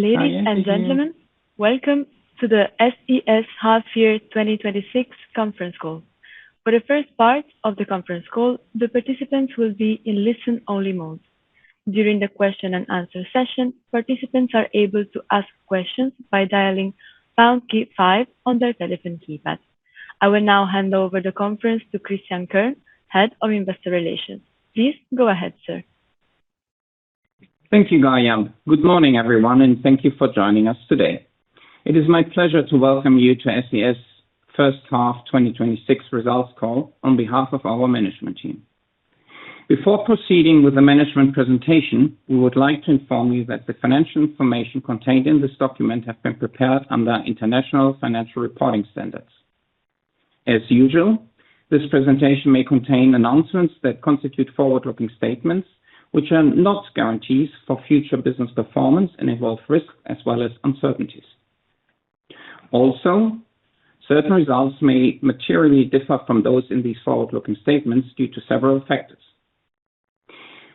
Ladies and gentlemen, welcome to the SES Half Year 2026 conference call. For the first part of the conference call, the participants will be in listen-only mode. During the question and answer session, participants are able to ask questions by dialing pound key five on their telephone keypads. I will now hand over the conference to Christian Kern, Head of Investor Relations. Please go ahead, sir. Thank you, Gaia. Good morning, everyone, and thank you for joining us today. It is my pleasure to welcome you to SES first half 2026 results call on behalf of our management team. Before proceeding with the management presentation, we would like to inform that the financial information contained in this document has been prepared under international financial reporting standards. As usual, this presentation may contain announcements that constitute forward-looking statements, which are not guarantees for future business performance and involve risk as well as uncertainties. Also, certain results may materially differ from those in these forward-looking statements due to several factors.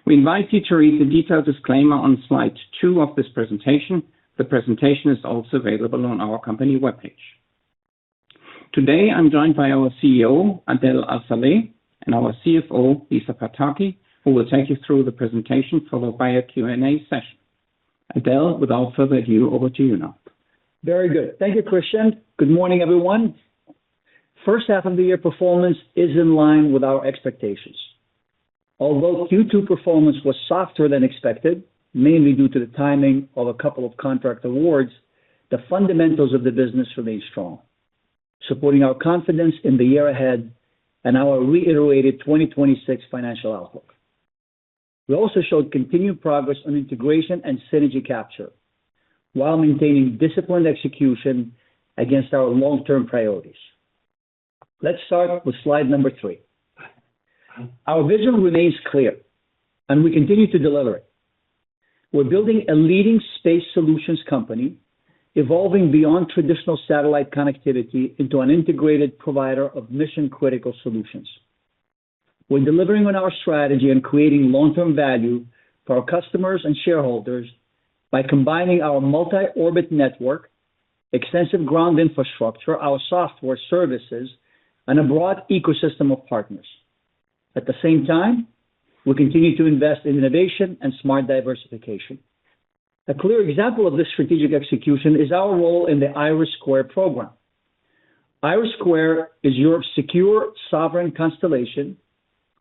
We invite you to read the detailed disclaimer on slide two of this presentation. The presentation is also available on our company webpage. Today, I'm joined by our CEO, Adel Al-Saleh, and our CFO, Lisa Pataki, who will take you through the presentation, followed by a Q&A session. Adel, without further ado, over to you now. Very good. Thank you, Christian. Good morning, everyone. First half of the year performance is in line with our expectations. Although Q2 performance was softer than expected, mainly due to the timing of a couple of contract awards, the fundamentals of the business remain strong, supporting our confidence in the year ahead and our reiterated 2026 financial outlook. We also showed continued progress on integration and synergy capture while maintaining disciplined execution against our long-term priorities. Let's start with slide number three. Our vision remains clear, and we continue to deliver it. We're building a leading space solutions company, evolving beyond traditional satellite connectivity into an integrated provider of mission-critical solutions. We're delivering on our strategy and creating long-term value for our customers and shareholders by combining our multi-orbit network, extensive ground infrastructure, our software services, and a broad ecosystem of partners. At the same time, we continue to invest in innovation and smart diversification. A clear example of this strategic execution is our role in the IRIS² program. IRIS² is Europe's secure sovereign constellation,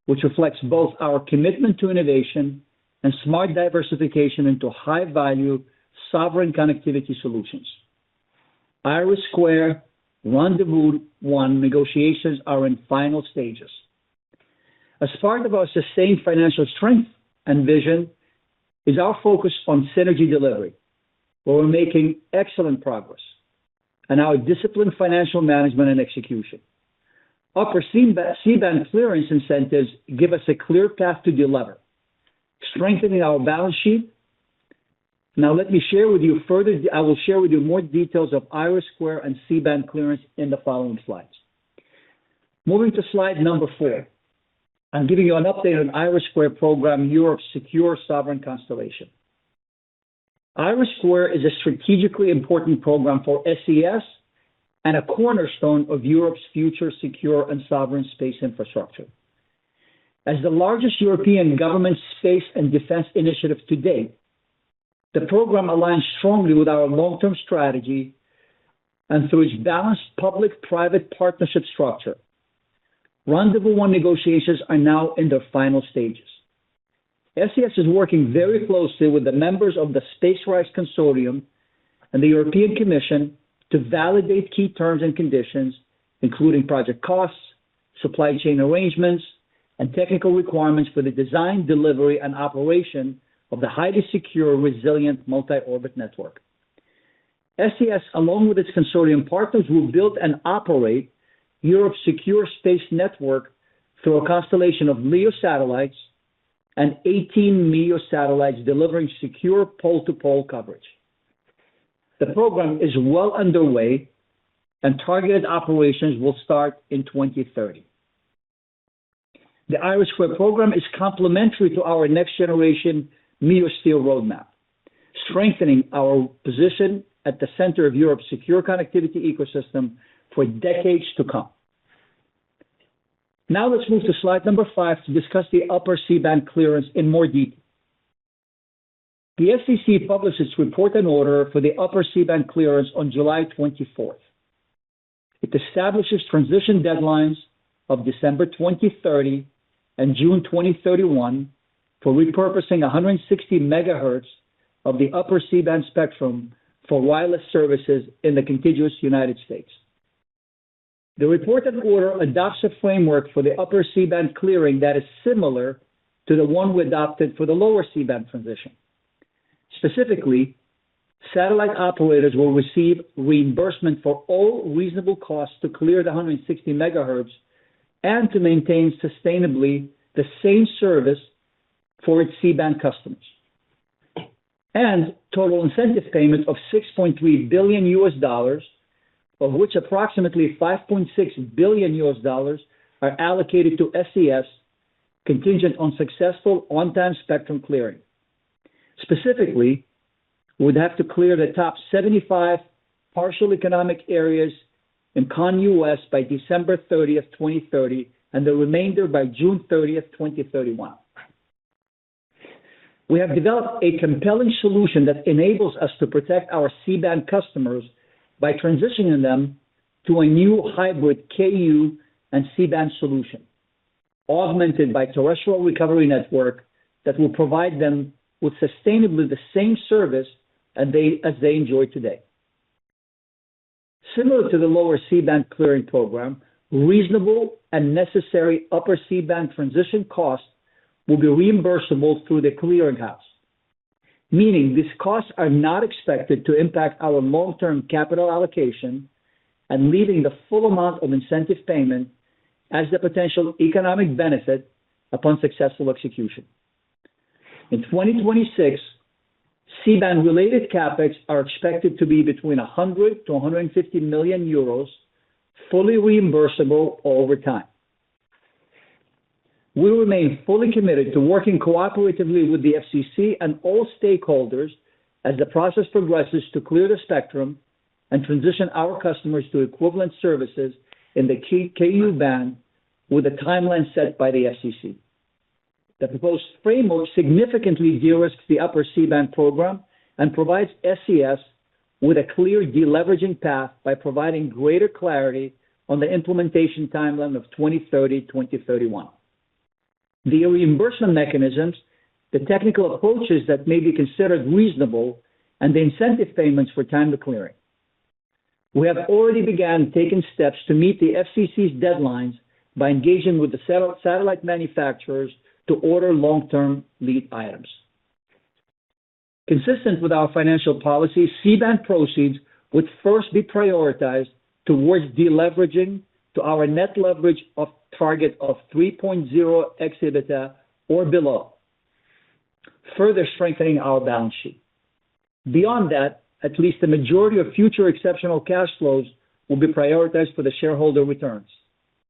which reflects both our commitment to innovation and smart diversification into high-value sovereign connectivity solutions. IRIS² Rendez-vous 1 negotiations are in final stages. As part of our sustained financial strength and vision is our focus on synergy delivery, where we're making excellent progress, and our disciplined financial management and execution. Upper C-band clearance incentives give us a clear path to deliver, strengthening our balance sheet. Now, I will share with you more details of IRIS² and C-band clearance in the following slides. Moving to slide number four. I'm giving you an update on IRIS² program, Europe's secure sovereign constellation. IRIS² is a strategically important program for SES and a cornerstone of Europe's future secure and sovereign space infrastructure. As the largest European government space and defense initiative to date, the program aligns strongly with our long-term strategy and through its balanced public-private partnership structure. Rendez-vous 1 negotiations are now in their final stages. SES is working very closely with the members of the SpaceRISE Consortium and the European Commission to validate key terms and conditions, including project costs, supply chain arrangements, and technical requirements for the design, delivery, and operation of the highly secure, resilient multi-orbit network. SES, along with its consortium partners, will build and operate Europe's secure space network through a constellation of LEO satellites and 18 MEO satellites delivering secure pole-to-pole coverage. The program is well underway, and targeted operations will start in 2030. The IRIS² program is complementary to our next-generation MEO roadmap, strengthening our position at the center of Europe's secure connectivity ecosystem for decades to come. Now let's move to slide number five to discuss the Upper C-band clearance in more detail. The FCC published its report and order for the Upper C-band clearance on July 24th. It establishes transition deadlines of December 2030 and June 2031 for repurposing 160 MHz of the Upper C-band spectrum for wireless services in the contiguous United States. The report and order adopts a framework for the Upper C-band clearing that is similar to the one we adopted for the Lower C-band transition. Specifically, satellite operators will receive reimbursement for all reasonable costs to clear the 160 MHz and to maintain sustainably the same service for its C-band customers. Total incentive payment of $6.3 billion US, of which approximately $5.6 billion US are allocated to SES Contingent on successful on-time spectrum clearing. Specifically, we'd have to clear the top 75 partial economic areas in CONUS by December 30th, 2030, and the remainder by June 30th, 2031. We have developed a compelling solution that enables us to protect our C-band customers by transitioning them to a new hybrid Ku and C-band solution, augmented by terrestrial recovery network that will provide them with sustainably the same service as they enjoy today. Similar to the Lower C-band clearing program, reasonable and necessary Upper C-band transition costs will be reimbursable through the clearing house, meaning these costs are not expected to impact our long-term capital allocation and leaving the full amount of incentive payment as the potential economic benefit upon successful execution. In 2026, C-band related CapEx are expected to be between 100 million-150 million euros, fully reimbursable over time. We remain fully committed to working cooperatively with the FCC and all stakeholders as the process progresses to clear the spectrum and transition our customers to equivalent services in the Ku-band with a timeline set by the FCC. The proposed framework significantly de-risks the upper C-band program and provides SES with a clear de-leveraging path by providing greater clarity on the implementation timeline of 2030, 2031. The reimbursement mechanisms, the technical approaches that may be considered reasonable, and the incentive payments for time to clearing. We have already began taking steps to meet the FCC's deadlines by engaging with the satellite manufacturers to order long-term lead items. Consistent with our financial policy, C-band proceeds would first be prioritized towards deleveraging to our net leverage of target of 3.0 EBITDA or below, further strengthening our balance sheet. Beyond that, at least the majority of future exceptional cash flows will be prioritized for the shareholder returns.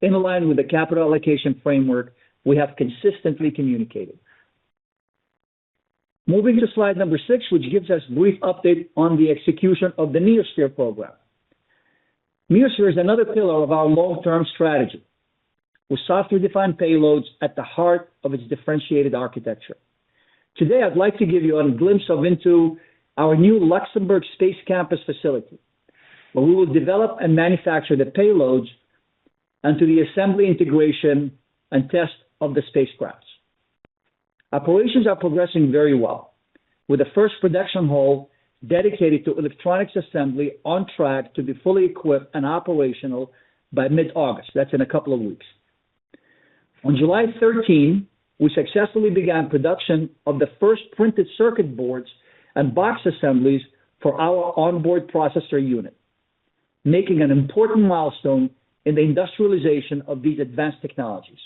In line with the capital allocation framework we have consistently communicated. Moving to slide number six, which gives us a brief update on the execution of the meoSphere program. meoSphere is another pillar of our long-term strategy, with software-defined payloads at the heart of its differentiated architecture. Today, I'd like to give you a glimpse of into our new Luxembourg Space Campus facility, where we will develop and manufacture the payloads and to the assembly integration and test of the spacecrafts. Operations are progressing very well, with the first production hall dedicated to electronics assembly on track to be fully equipped and operational by mid-August. That's in a couple of weeks. On July 13, we successfully began production of the first printed circuit boards and box assemblies for our onboard processor unit, making an important milestone in the industrialization of these advanced technologies.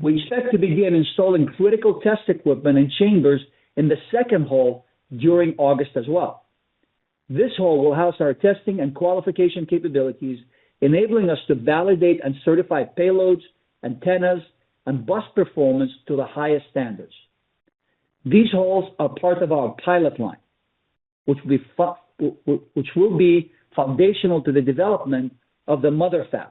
We expect to begin installing critical test equipment and chambers in the second hall during August as well. This hall will house our testing and qualification capabilities, enabling us to validate and certify payloads, antennas, and bus performance to the highest standards. These halls are part of our pilot line, which will be foundational to the development of the mother fab,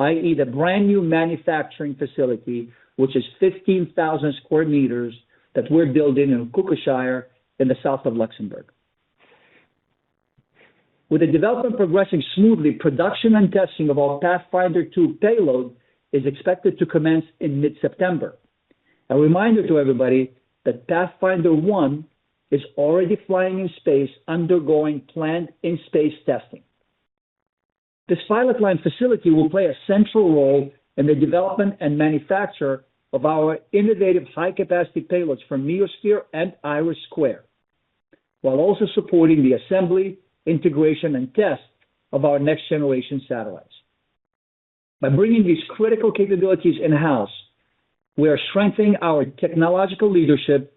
i.e., the brand-new manufacturing facility, which is 15,000 square meters that we're building in Kockelscheuer in the south of Luxembourg. With the development progressing smoothly, production and testing of our Pathfinder 2 payload is expected to commence in mid-September. A reminder to everybody that Pathfinder 1 is already flying in space, undergoing planned in-space testing. This pilot line facility will play a central role in the development and manufacture of our innovative high-capacity payloads for meoSphere and IRIS², while also supporting the assembly, integration, and test of our next generation satellites. By bringing these critical capabilities in-house, we are strengthening our technological leadership,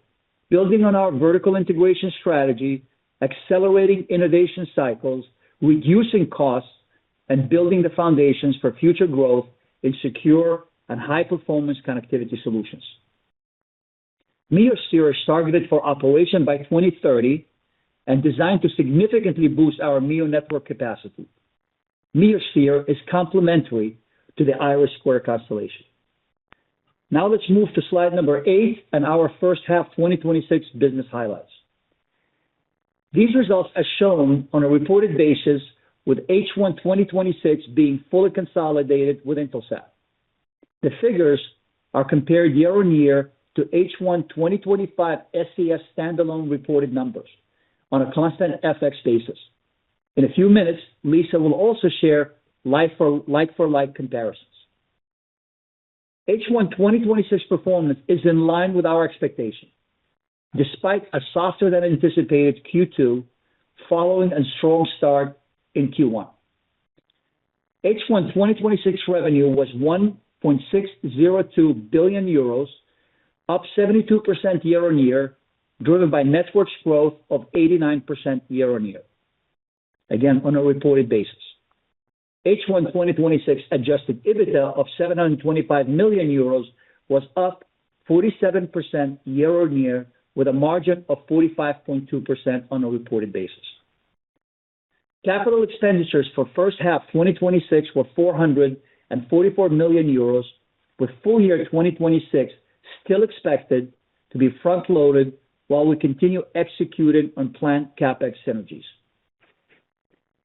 building on our vertical integration strategy, accelerating innovation cycles, reducing costs, and building the foundations for future growth in secure and high-performance connectivity solutions. meoSphere is targeted for operation by 2030 and designed to significantly boost our MEO network capacity. meoSphere is complementary to the IRIS² constellation. Let's move to slide number eight and our first half 2026 business highlights. These results are shown on a reported basis with H1 2026 being fully consolidated with Intelsat. The figures are compared year-on-year to H1 2025 SES standalone reported numbers on a constant FX basis. In a few minutes, Lisa will also share like-for-like comparisons. H1 2026 performance is in line with our expectation, despite a softer-than-anticipated Q2 following a strong start in Q1. H1 2026 revenue was 1.602 billion euros, up 72% year-on-year, driven by networks growth of 89% year-on-year. Again, on a reported basis. H1 2026 adjusted EBITDA of 725 million euros was up 47% year-on-year, with a margin of 45.2% on a reported basis. Capital expenditures for first half 2026 were 444 million euros, with full year 2026 still expected to be front-loaded, while we continue executing on planned CapEx synergies.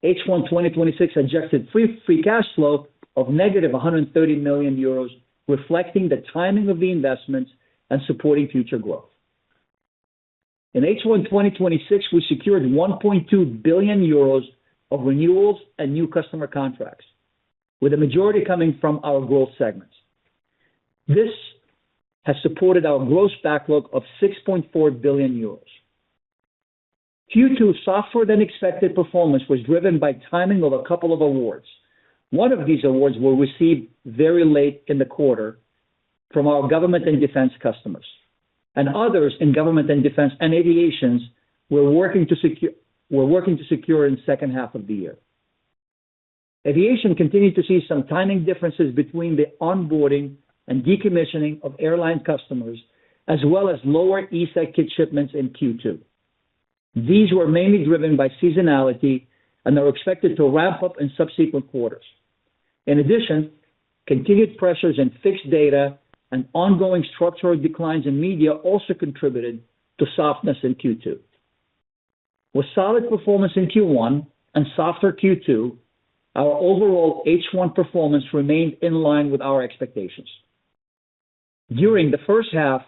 H1 2026 adjusted free cash flow of negative 130 million euros, reflecting the timing of the investments and supporting future growth. In H1 2026, we secured 1.2 billion euros of renewals and new customer contracts, with the majority coming from our growth segments. This has supported our gross backlog of 6.4 billion euros. Q2 softer-than-expected performance was driven by timing of a couple of awards. One of these awards was received very late in the quarter from our government and defense customers, and others in government and defense and aviation we are working to secure in second half of the year. Aviation continued to see some timing differences between the onboarding and decommissioning of airline customers, as well as lower ESA kit shipments in Q2. These were mainly driven by seasonality and are expected to ramp up in subsequent quarters. In addition, continued pressures in fixed data and ongoing structural declines in media also contributed to softness in Q2. With solid performance in Q1 and softer Q2, our overall H1 performance remained in line with our expectations. During the first half,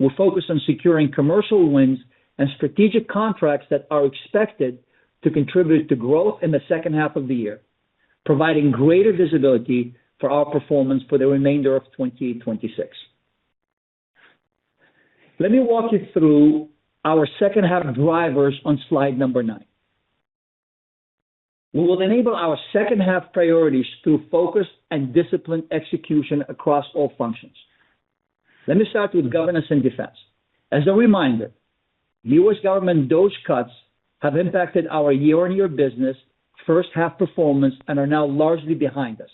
we are focused on securing commercial wins and strategic contracts that are expected to contribute to growth in the second half of the year, providing greater visibility for our performance for the remainder of 2026. Let me walk you through our second half drivers on slide nine. We will enable our second half priorities through focused and disciplined execution across all functions. Let me start with government and defense. As a reminder, U.S. government DOGE cuts have impacted our year-on-year business first half performance and are now largely behind us.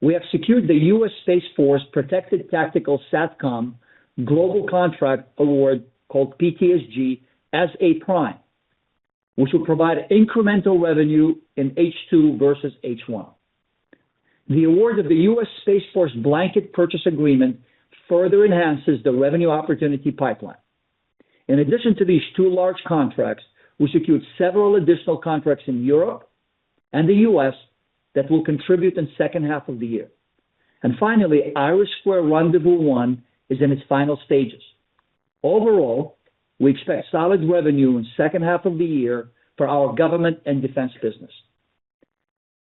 We have secured the U.S. Space Force Protected Tactical SATCOM-Global contract award, called PTSG, as a prime, which will provide incremental revenue in H2 versus H1. The award of the U.S. Space Force blanket purchase agreement further enhances the revenue opportunity pipeline. In addition to these two large contracts, we secured several additional contracts in Europe and the U.S. that will contribute in second half of the year. Finally, IRIS² Rendez-vous 1 is in its final stages. Overall, we expect solid revenue in second half of the year for our government and defense business.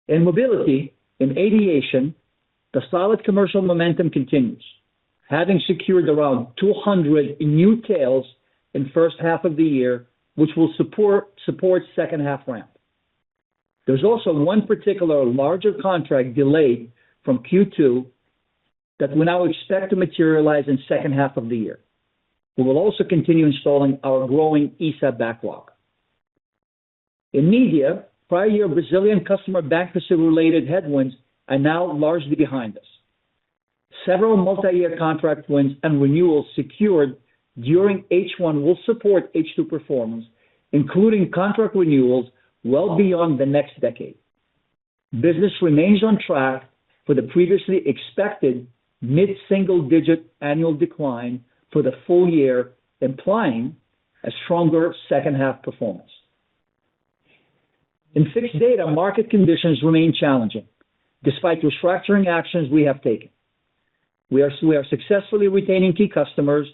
In mobility, in aviation, the solid commercial momentum continues. Having secured around 200 new tails in first half of the year, which will support second half ramp. There is also one particular larger contract delay from Q2 that we now expect to materialize in second half of the year. We will also continue installing our growing ESA backlog. In media, prior year Brazilian customer bankruptcy-related headwinds are now largely behind us. Several multi-year contract wins and renewals secured during H1 will support H2 performance, including contract renewals well beyond the next decade. Business remains on track for the previously expected mid-single-digit annual decline for the full year, implying a stronger second half performance. In fixed data, market conditions remain challenging despite the structuring actions we have taken. We are successfully retaining key customers,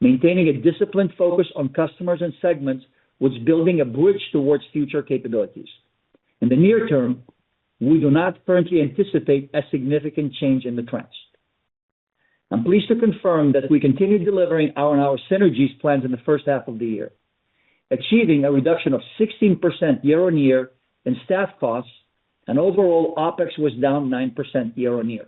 maintaining a disciplined focus on customers and segments, thus building a bridge towards future capabilities. In the near term, we do not currently anticipate a significant change in the trends. I'm pleased to confirm that we continue delivering on our synergies plans in the first half of the year, achieving a reduction of 16% year-on-year in staff costs. Overall OpEx was down 9% year-on-year,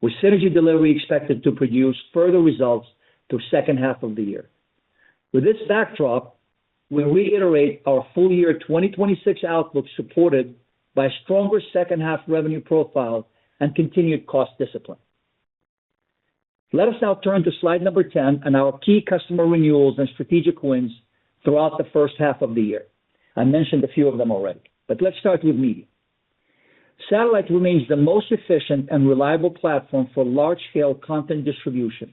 with synergy delivery expected to produce further results through second half of the year. With this backdrop, we reiterate our full year 2026 outlook supported by stronger second half revenue profile and continued cost discipline. Let us now turn to slide number 10 and our key customer renewals and strategic wins throughout the first half of the year. I mentioned a few of them already, but let's start with media. Satellite remains the most efficient and reliable platform for large-scale content distribution.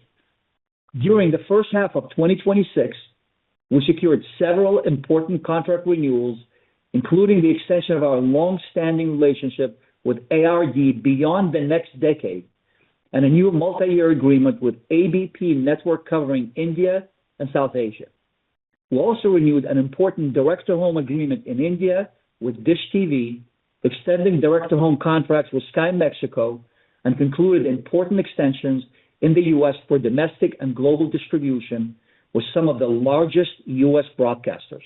During the first half of 2026, we secured several important contract renewals, including the extension of our long-standing relationship with ARD beyond the next decade, and a new multi-year agreement with ABP Network covering India and South Asia. We also renewed an important direct-to-home agreement in India with Dish TV, extending direct-to-home contracts with Sky México, and concluded important extensions in the U.S. for domestic and global distribution with some of the largest U.S. broadcasters.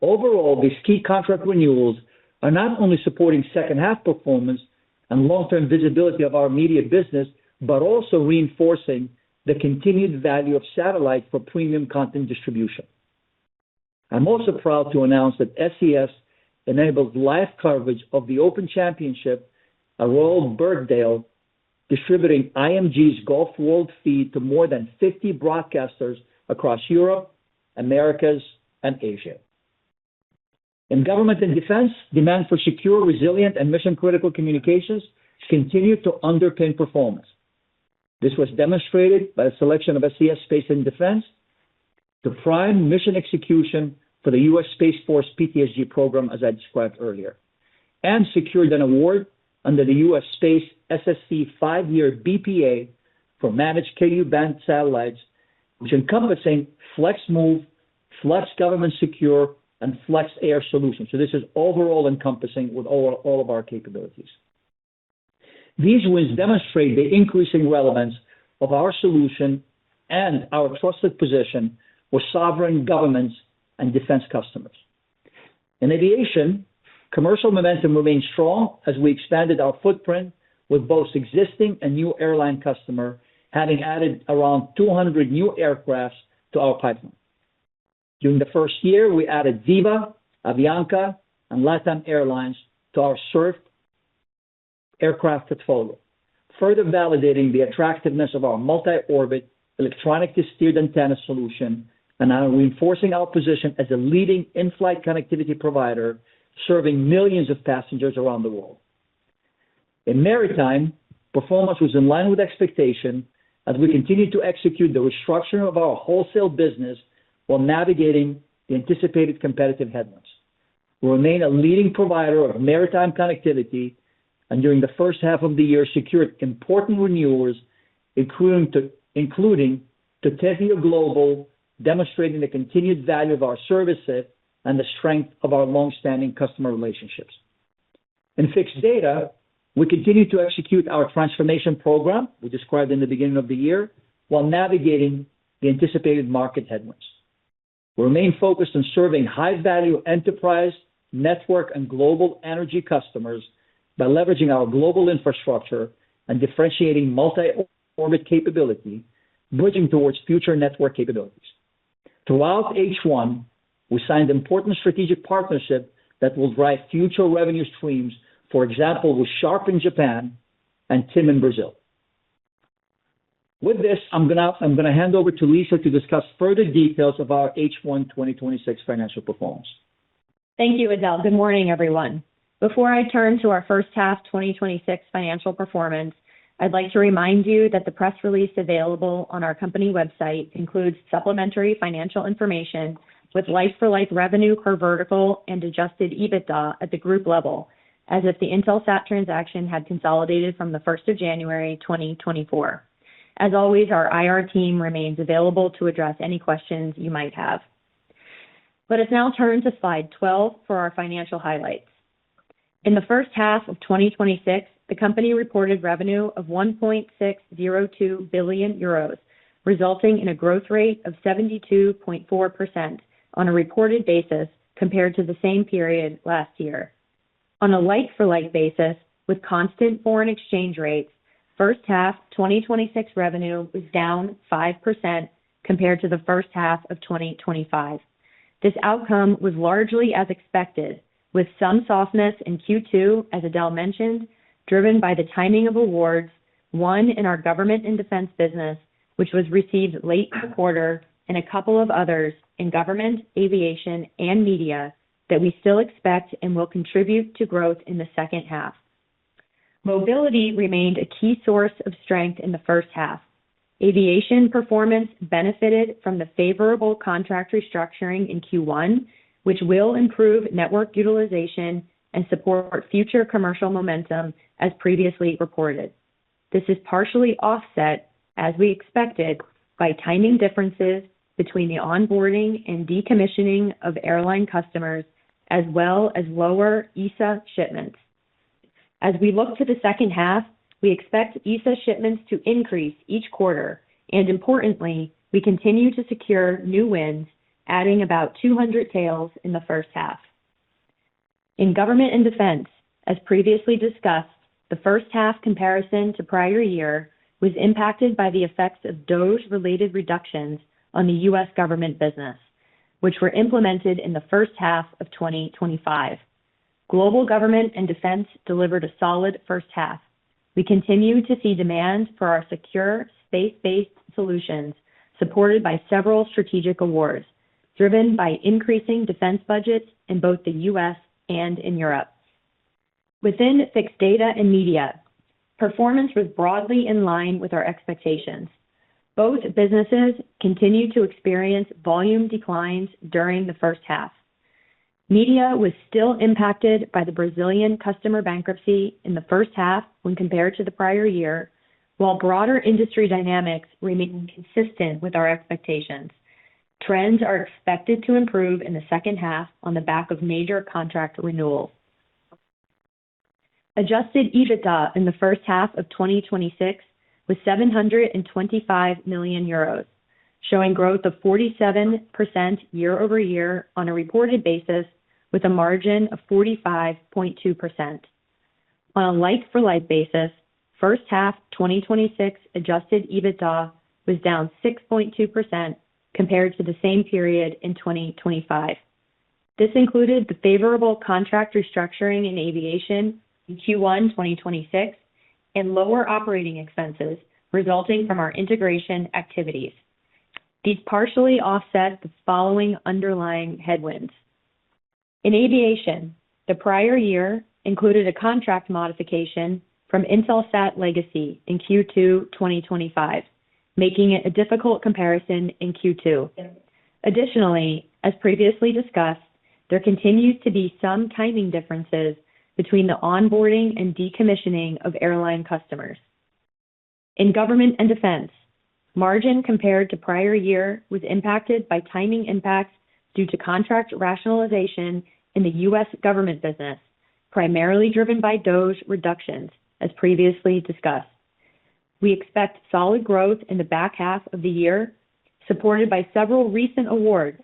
Overall, these key contract renewals are not only supporting second half performance. Long-term visibility of our media business, but also reinforcing the continued value of satellite for premium content distribution. I'm also proud to announce that SES enabled live coverage of The Open Championship at Royal Birkdale, distributing IMG's Golf World feed to more than 50 broadcasters across Europe, Americas, and Asia. In government and defense, demand for secure, resilient, and mission-critical communications continued to underpin performance. This was demonstrated by a selection of SES Space & Defense to prime mission execution for the U.S. Space Force PTSG program, as I described earlier, and secured an award under the U.S. Space SSC five-year BPA for managed Ku-band satellites, which encompass a FlexMove, FlexGovSecure, and FlexAir solutions. This is overall encompassing with all of our capabilities. These wins demonstrate the increasing relevance of our solution and our trusted position with sovereign governments and defense customers. In aviation, commercial momentum remained strong as we expanded our footprint with both existing and new airline customer, having added around 200 new aircraft to our pipeline. During the first year, we added Viva, Avianca, and LATAM Airlines to our SURF aircraft portfolio, further validating the attractiveness of our multi-orbit electronically steered antenna solution and are reinforcing our position as a leading in-flight connectivity provider, serving millions of passengers around the world. In maritime, performance was in line with expectation as we continued to execute the restructuring of our wholesale business while navigating the anticipated competitive headwinds. We remain a leading provider of maritime connectivity, and during the first half of the year, secured important renewals, including to Teledyne Global, demonstrating the continued value of our services and the strength of our long-standing customer relationships. In Fixed Data, we continued to execute our transformation program we described in the beginning of the year while navigating the anticipated market headwinds. We remain focused on serving high-value enterprise, network, and global energy customers by leveraging our global infrastructure and differentiating multi-orbit capability, bridging towards future network capabilities. Throughout H1, we signed important strategic partnership that will drive future revenue streams, for example, with Sharp in Japan and TIM in Brazil. With this, I'm going to hand over to Lisa to discuss further details of our H1 2026 financial performance. Thank you, Adel. Good morning, everyone. Before I turn to our first half 2026 financial performance, I'd like to remind you that the press release available on our company website includes supplementary financial information with like-for-like revenue per vertical and adjusted EBITDA at the group level, as if the Intelsat transaction had consolidated from the 1st of January 2024. As always, our IR team remains available to address any questions you might have. Let us now turn to slide 12 for our financial highlights. In the first half of 2026, the company reported revenue of 1.602 billion euros, resulting in a growth rate of 72.4% on a reported basis compared to the same period last year. On a like-for-like basis with constant foreign exchange rates, first half 2026 revenue was down 5% compared to the first half of 2025. This outcome was largely as expected, with some softness in Q2, as Adel mentioned, driven by the timing of awards, one in our government and defense business, which was received late in the quarter, and a couple of others in government, aviation, and media that we still expect and will contribute to growth in the second half. Mobility remained a key source of strength in the first half. Aviation performance benefited from the favorable contract restructuring in Q1, which will improve network utilization and support future commercial momentum as previously reported. This is partially offset, as we expected, by timing differences between the onboarding and decommissioning of airline customers, as well as lower ESA shipments. As we look to the second half, we expect ESA shipments to increase each quarter, and importantly, we continue to secure new wins, adding about 200 tails in the first half. In government and defense, as previously discussed, the first half comparison to prior year was impacted by the effects of DOGE-related reductions on the U.S. government business, which were implemented in the first half of 2025. Global government and defense delivered a solid first half. We continue to see demand for our secure space-based solutions supported by several strategic awards, driven by increasing defense budgets in both the U.S. and in Europe. Within Fixed Data and Media, performance was broadly in line with our expectations. Both businesses continued to experience volume declines during the first half. Media was still impacted by the Brazilian customer bankruptcy in the first half when compared to the prior year, while broader industry dynamics remained consistent with our expectations. Trends are expected to improve in the second half on the back of major contract renewals. Adjusted EBITDA in the first half of 2026 was 725 million euros. Showing growth of 47% year-over-year on a reported basis with a margin of 45.2%. On a like-for-like basis, first half 2026 Adjusted EBITDA was down 6.2% compared to the same period in 2025. This included the favorable contract restructuring in aviation in Q1 2026 and lower operating expenses resulting from our integration activities. These partially offset the following underlying headwinds. In aviation, the prior year included a contract modification from Intelsat Legacy in Q2 2025, making it a difficult comparison in Q2. Additionally, as previously discussed, there continues to be some timing differences between the onboarding and decommissioning of airline customers. In government and defense, margin compared to prior year was impacted by timing impacts due to contract rationalization in the U.S. government business, primarily driven by DOGE reductions, as previously discussed. We expect solid growth in the back half of the year, supported by several recent awards,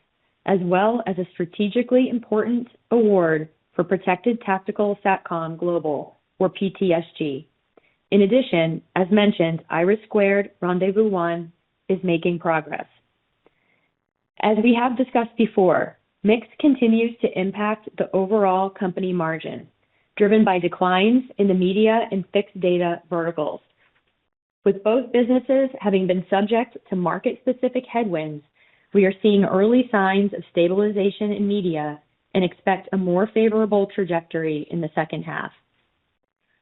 as well as a strategically important award for Protected Tactical SATCOM-Global, or PTSG. As mentioned, IRIS² Rendez-vous 1 is making progress. We have discussed before, mix continues to impact the overall company margin, driven by declines in the Media and Fixed Data verticals. With both businesses having been subject to market-specific headwinds, we are seeing early signs of stabilization in Media and expect a more favorable trajectory in the second half.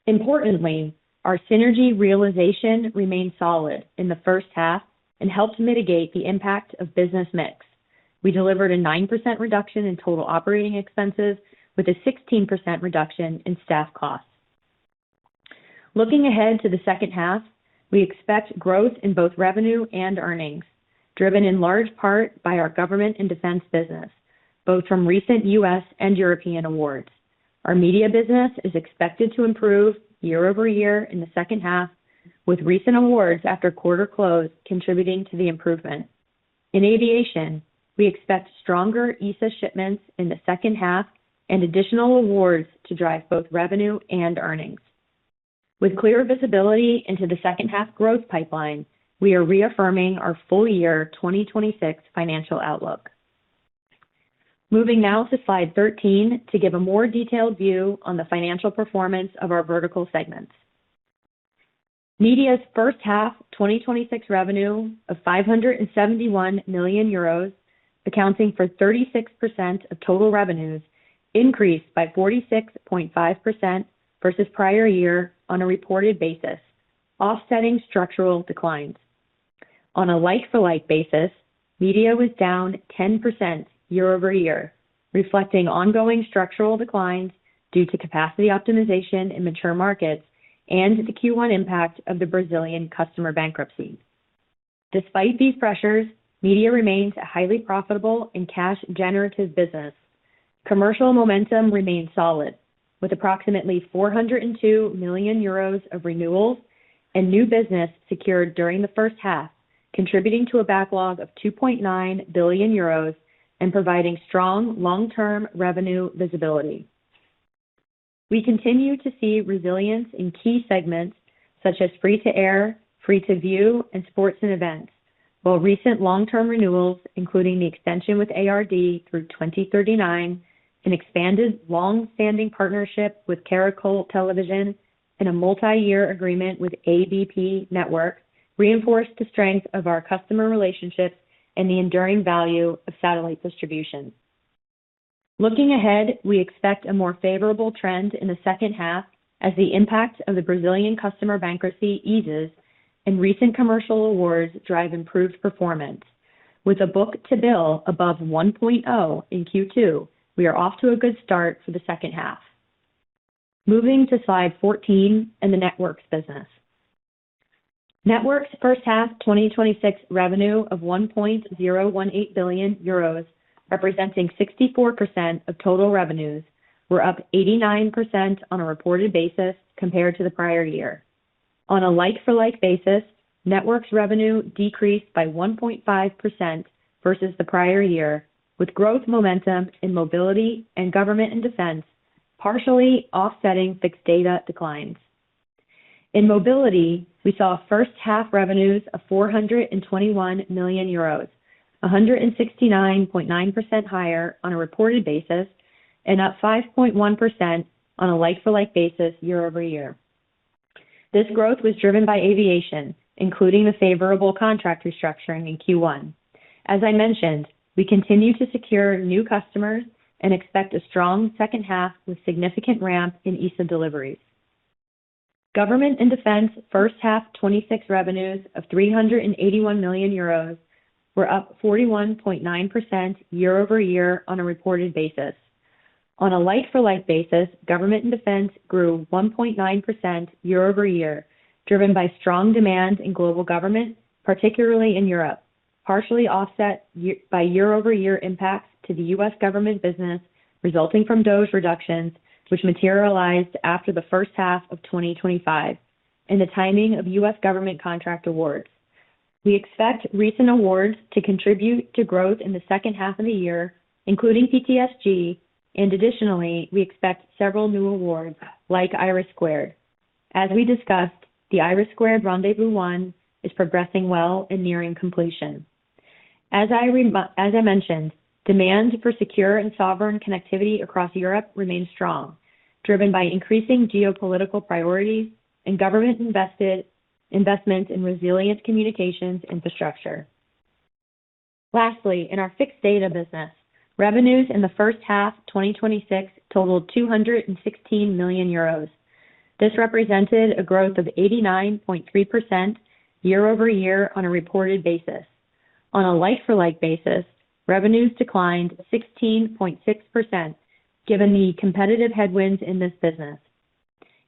Importantly, our synergy realization remained solid in the first half and helped mitigate the impact of business mix. We delivered a 9% reduction in total operating expenses with a 16% reduction in staff costs. Looking ahead to the second half, we expect growth in both revenue and earnings, driven in large part by our government and defense business, both from recent U.S. and European awards. Our Media business is expected to improve year-over-year in the second half, with recent awards after quarter close contributing to the improvement. In aviation, we expect stronger ESA shipments in the second half and additional awards to drive both revenue and earnings. With clear visibility into the second half growth pipeline, we are reaffirming our full year 2026 financial outlook. Moving now to slide 13 to give a more detailed view on the financial performance of our vertical segments. Media's first half 2026 revenue of 571 million euros, accounting for 36% of total revenues, increased by 46.5% versus prior year on a reported basis, offsetting structural declines. On a like-for-like basis, media was down 10% year-over-year, reflecting ongoing structural declines due to capacity optimization in mature markets and the Q1 impact of the Brazilian customer bankruptcy. Despite these pressures, media remains a highly profitable and cash-generative business. Commercial momentum remains solid, with approximately 402 million euros of renewals and new business secured during the first half, contributing to a backlog of 2.9 billion euros and providing strong long-term revenue visibility. We continue to see resilience in key segments such as free-to-air, free-to-view, and sports and events, while recent long-term renewals, including the extension with ARD through 2039, an expanded long-standing partnership with Caracol Televisión, and a multi-year agreement with ABP Network reinforced the strength of our customer relationships and the enduring value of satellite distribution. Looking ahead, we expect a more favorable trend in the second half as the impact of the Brazilian customer bankruptcy eases and recent commercial awards drive improved performance. With a book to bill above 1.0 in Q2, we are off to a good start for the second half. Moving to slide 14 and the networks business. Networks first half 2026 revenue of 1.018 billion euros, representing 64% of total revenues, were up 89% on a reported basis compared to the prior year. On a like-for-like basis, networks revenue decreased by 1.5% versus the prior year, with growth momentum in mobility and government and defense partially offsetting fixed data declines. In mobility, we saw first half revenues of 421 million euros, 169.9% higher on a reported basis and up 5.1% on a like-for-like basis year-over-year. This growth was driven by aviation, including the favorable contract restructuring in Q1. As I mentioned, we continue to secure new customers and expect a strong second half with significant ramp in ESA deliveries. Government and Defense first half 2026 revenues of 381 million euros were up 41.9% year-over-year on a reported basis. On a like-for-like basis, Government and Defense grew 1.9% year-over-year, driven by strong demand in global government, particularly in Europe, partially offset by year-over-year impacts to the U.S. government business resulting from DOGE reductions which materialized after the first half of 2025 and the timing of U.S. government contract awards. We expect recent awards to contribute to growth in the second half of the year, including PTSG, and additionally, we expect several new awards like IRIS². As we discussed, the IRIS² Rendez-vous 1 is progressing well and nearing completion. As I mentioned, demand for secure and sovereign connectivity across Europe remains strong, driven by increasing geopolitical priorities and government investment in resilient communications infrastructure. Lastly, in our fixed data business, revenues in the first half 2026 totaled 216 million euros. This represented a growth of 89.3% year-over-year on a reported basis. On a like-for-like basis, revenues declined 16.6% given the competitive headwinds in this business.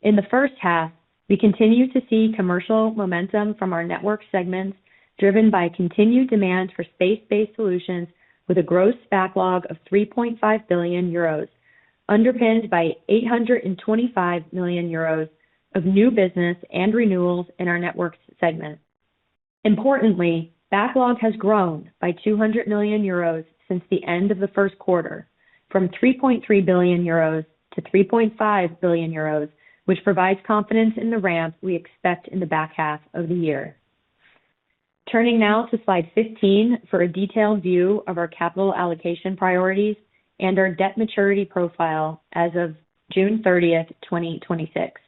In the first half, we continued to see commercial momentum from our network segments driven by continued demand for space-based solutions with a gross backlog of 3.5 billion euros underpinned by 825 million euros of new business and renewals in our networks segment. Importantly, backlog has grown by 200 million euros since the end of the first quarter from 3.3 billion euros to 3.5 billion euros, which provides confidence in the ramp we expect in the back half of the year. Turning now to slide 15 for a detailed view of our capital allocation priorities and our debt maturity profile as of June 30th, 2026.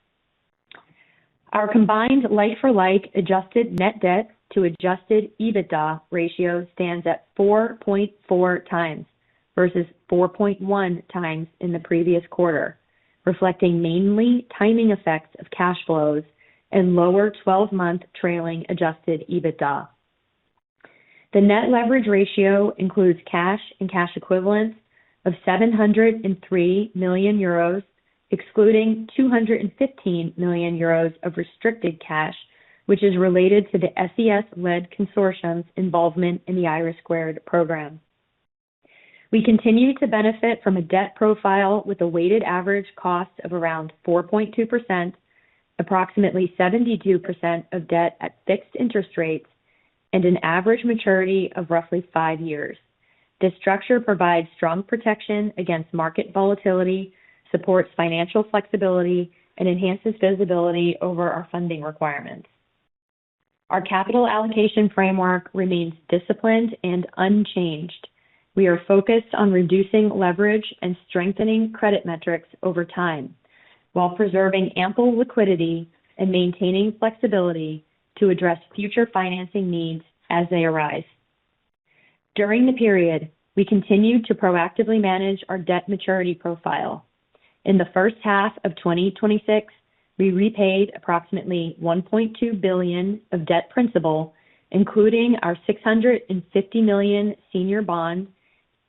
Our combined like-for-like adjusted net debt to adjusted EBITDA ratio stands at 4.4 times versus 4.1 times in the previous quarter, reflecting mainly timing effects of cash flows and lower 12-month trailing adjusted EBITDA. The net leverage ratio includes cash and cash equivalents of 703 million euros, excluding 215 million euros of restricted cash, which is related to the SES-led consortium's involvement in the IRIS² program. We continue to benefit from a debt profile with a weighted average cost of around 4.2%, approximately 72% of debt at fixed interest rates, and an average maturity of roughly five years. This structure provides strong protection against market volatility, supports financial flexibility, and enhances visibility over our funding requirements. Our capital allocation framework remains disciplined and unchanged. We are focused on reducing leverage and strengthening credit metrics over time while preserving ample liquidity and maintaining flexibility to address future financing needs as they arise. During the period, we continued to proactively manage our debt maturity profile. In the first half of 2026, we repaid approximately 1.2 billion of debt principal, including our 650 million senior bond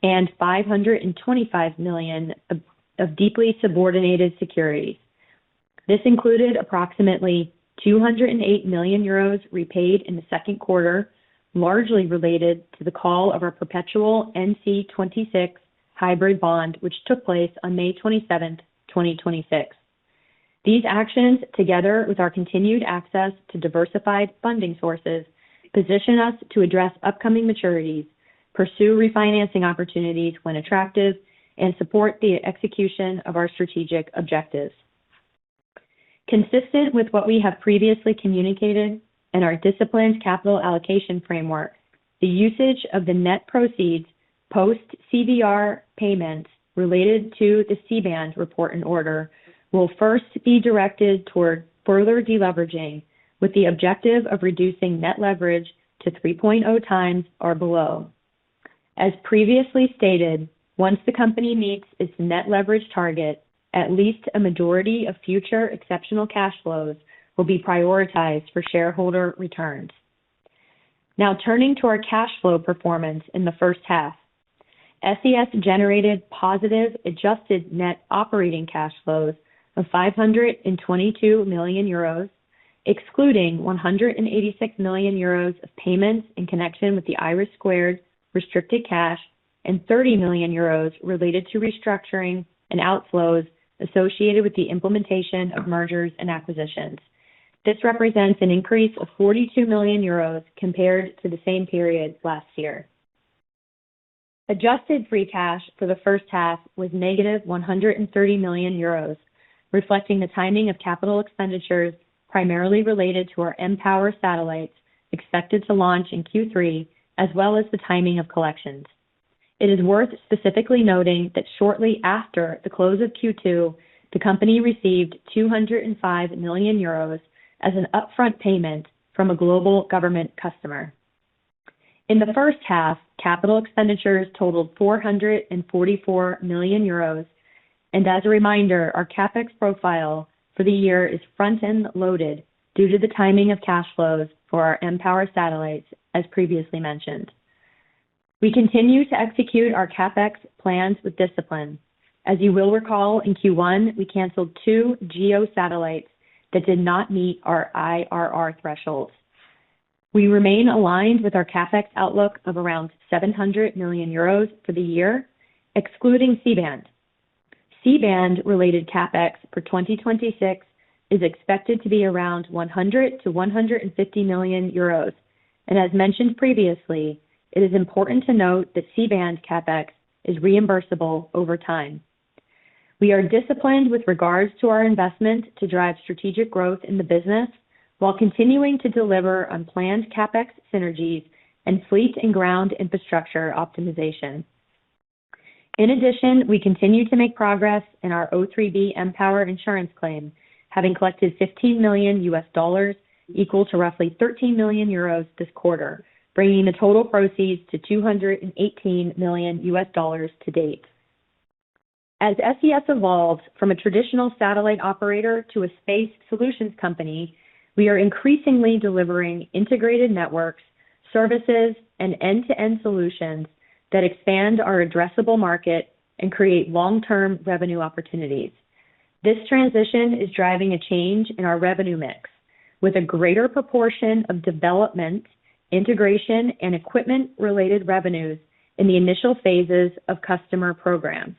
and 525 million of deeply subordinated securities. This included approximately 208 million euros repaid in the second quarter, largely related to the call of our perpetual NC26 hybrid bond, which took place on May 27th, 2026. These actions, together with our continued access to diversified funding sources, position us to address upcoming maturities, pursue refinancing opportunities when attractive, and support the execution of our strategic objectives. Consistent with what we have previously communicated and our disciplined capital allocation framework, the usage of the net proceeds post-CBR payments related to the C-band report and order will first be directed toward further deleveraging with the objective of reducing net leverage to 3.0 times or below. As previously stated, once the company meets its net leverage target, at least a majority of future exceptional cash flows will be prioritized for shareholder returns. Now turning to our cash flow performance in the first half. SES generated positive adjusted net operating cash flows of 522 million euros, excluding 186 million euros of payments in connection with the IRIS² restricted cash and 30 million euros related to restructuring and outflows associated with the implementation of mergers and acquisitions. This represents an increase of 42 million euros compared to the same period last year. Adjusted free cash for the first half was negative 130 million euros, reflecting the timing of capital expenditures primarily related to our O3b mPOWER satellites expected to launch in Q3, as well as the timing of collections. It is worth specifically noting that shortly after the close of Q2, the company received 205 million euros as an upfront payment from a global government customer. In the first half, capital expenditures totaled 444 million euros, and as a reminder, our CapEx profile for the year is front-end loaded due to the timing of cash flows for our O3b mPOWER satellites, as previously mentioned. We continue to execute our CapEx plans with discipline. As you will recall, in Q1, we canceled two GEO satellites that did not meet our IRR thresholds. We remain aligned with our CapEx outlook of around 700 million euros for the year, excluding C-band related CapEx. CapEx for 2026 is expected to be around 100 million-150 million euros. As mentioned previously, it is important to note that C-band CapEx is reimbursable over time. We are disciplined with regards to our investment to drive strategic growth in the business, while continuing to deliver on planned CapEx synergies and fleet and ground infrastructure optimization. In addition, we continue to make progress in our O3b mPOWER insurance claim, having collected $15 million, equal to roughly 13 million euros this quarter, bringing the total proceeds to $218 million to date. As SES evolves from a traditional satellite operator to a space solutions company, we are increasingly delivering integrated networks, services, and end-to-end solutions that expand our addressable market and create long-term revenue opportunities. This transition is driving a change in our revenue mix, with a greater proportion of development, integration, and equipment-related revenues in the initial phases of customer programs.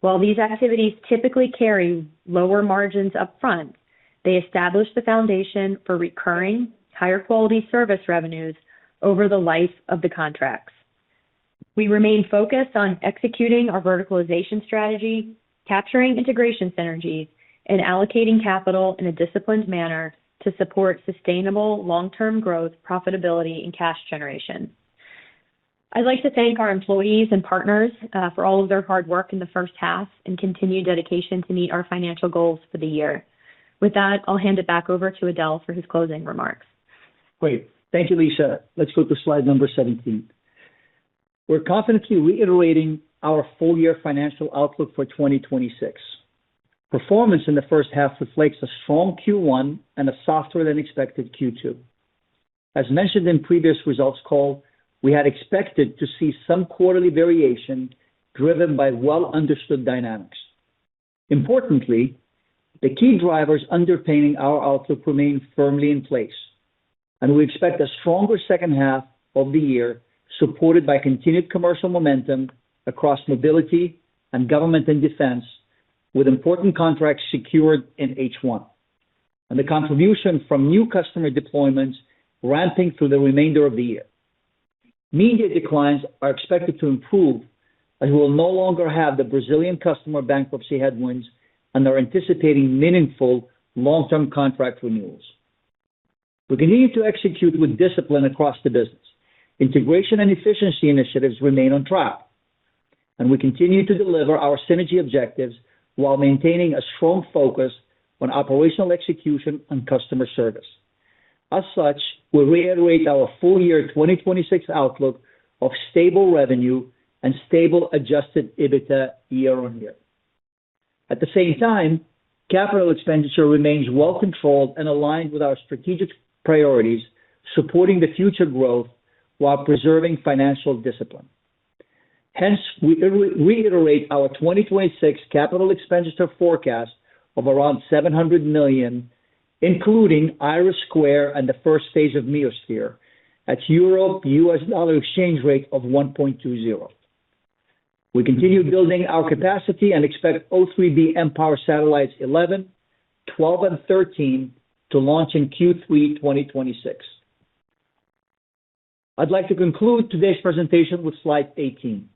While these activities typically carry lower margins up front, they establish the foundation for recurring, higher quality service revenues over the life of the contracts. We remain focused on executing our verticalization strategy, capturing integration synergies, and allocating capital in a disciplined manner to support sustainable long-term growth, profitability, and cash generation. I'd like to thank our employees and partners for all of their hard work in the first half and continued dedication to meet our financial goals for the year. With that, I'll hand it back over to Adel for his closing remarks. Great. Thank you, Lisa. Let's go to slide number 17. We're confidently reiterating our full-year financial outlook for 2026. Performance in the first half reflects a strong Q1 and a softer-than-expected Q2. As mentioned in previous results call, we had expected to see some quarterly variation driven by well-understood dynamics. Importantly, the key drivers underpinning our outlook remain firmly in place, and we expect a stronger second half of the year supported by continued commercial momentum across mobility and government and defense, with important contracts secured in H1. The contribution from new customer deployments ramping through the remainder of the year. Media declines are expected to improve, and we will no longer have the Brazilian customer bankruptcy headwinds and are anticipating meaningful long-term contract renewals. We continue to execute with discipline across the business. Integration and efficiency initiatives remain on track. We continue to deliver our synergy objectives while maintaining a strong focus on operational execution and customer service. As such, we reiterate our full-year 2026 outlook of stable revenue and stable adjusted EBITDA year-on-year. At the same time, capital expenditure remains well controlled and aligned with our strategic priorities, supporting the future growth while preserving financial discipline. Hence, we reiterate our 2026 capital expenditure forecast of around 700 million, including IRIS² and the first phase of meoSphere at EUR-U.S. dollar exchange rate of 1.20. We continue building our capacity and expect O3b mPOWER satellites 11, 12, and 13 to launch in Q3 2026. I'd like to conclude today's presentation with slide 18.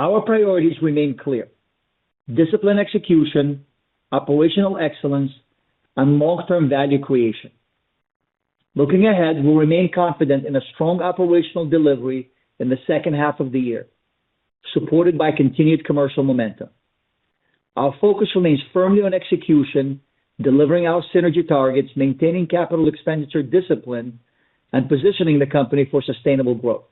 Our priorities remain clear: disciplined execution, operational excellence, and long-term value creation. Looking ahead, we'll remain confident in a strong operational delivery in the second half of the year, supported by continued commercial momentum. Our focus remains firmly on execution, delivering our synergy targets, maintaining capital expenditure discipline, and positioning the company for sustainable growth.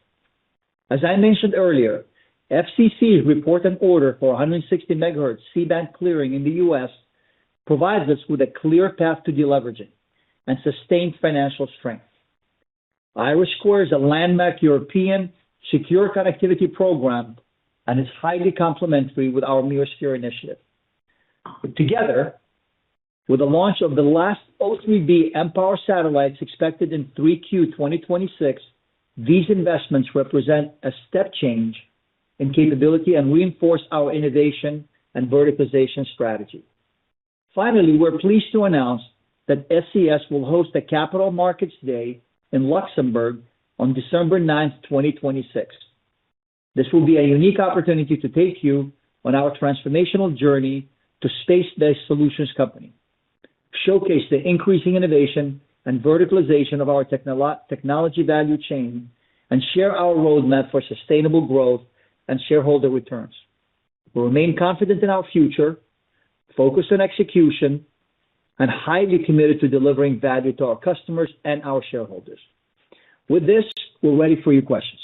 As I mentioned earlier, FCC's report and order for 160 MHz C-band clearing in the U.S. provides us with a clear path to deleveraging and sustained financial strength. IRIS² is a landmark European secure connectivity program and is highly complementary with our meoSphere initiative. Together, with the launch of the last O3b mPOWER satellites expected in 3Q 2026, these investments represent a step change in capability and reinforce our innovation and verticalization strategy. Finally, we are pleased to announce that SES will host a Capital Markets Day in Luxembourg on December 9th, 2026. This will be a unique opportunity to take you on our transformational journey to a space-based solutions company, showcase the increasing innovation and verticalization of our technology value chain, and share our roadmap for sustainable growth and shareholder returns. We remain confident in our future, focused on execution, and highly committed to delivering value to our customers and our shareholders. With this, we are ready for your questions.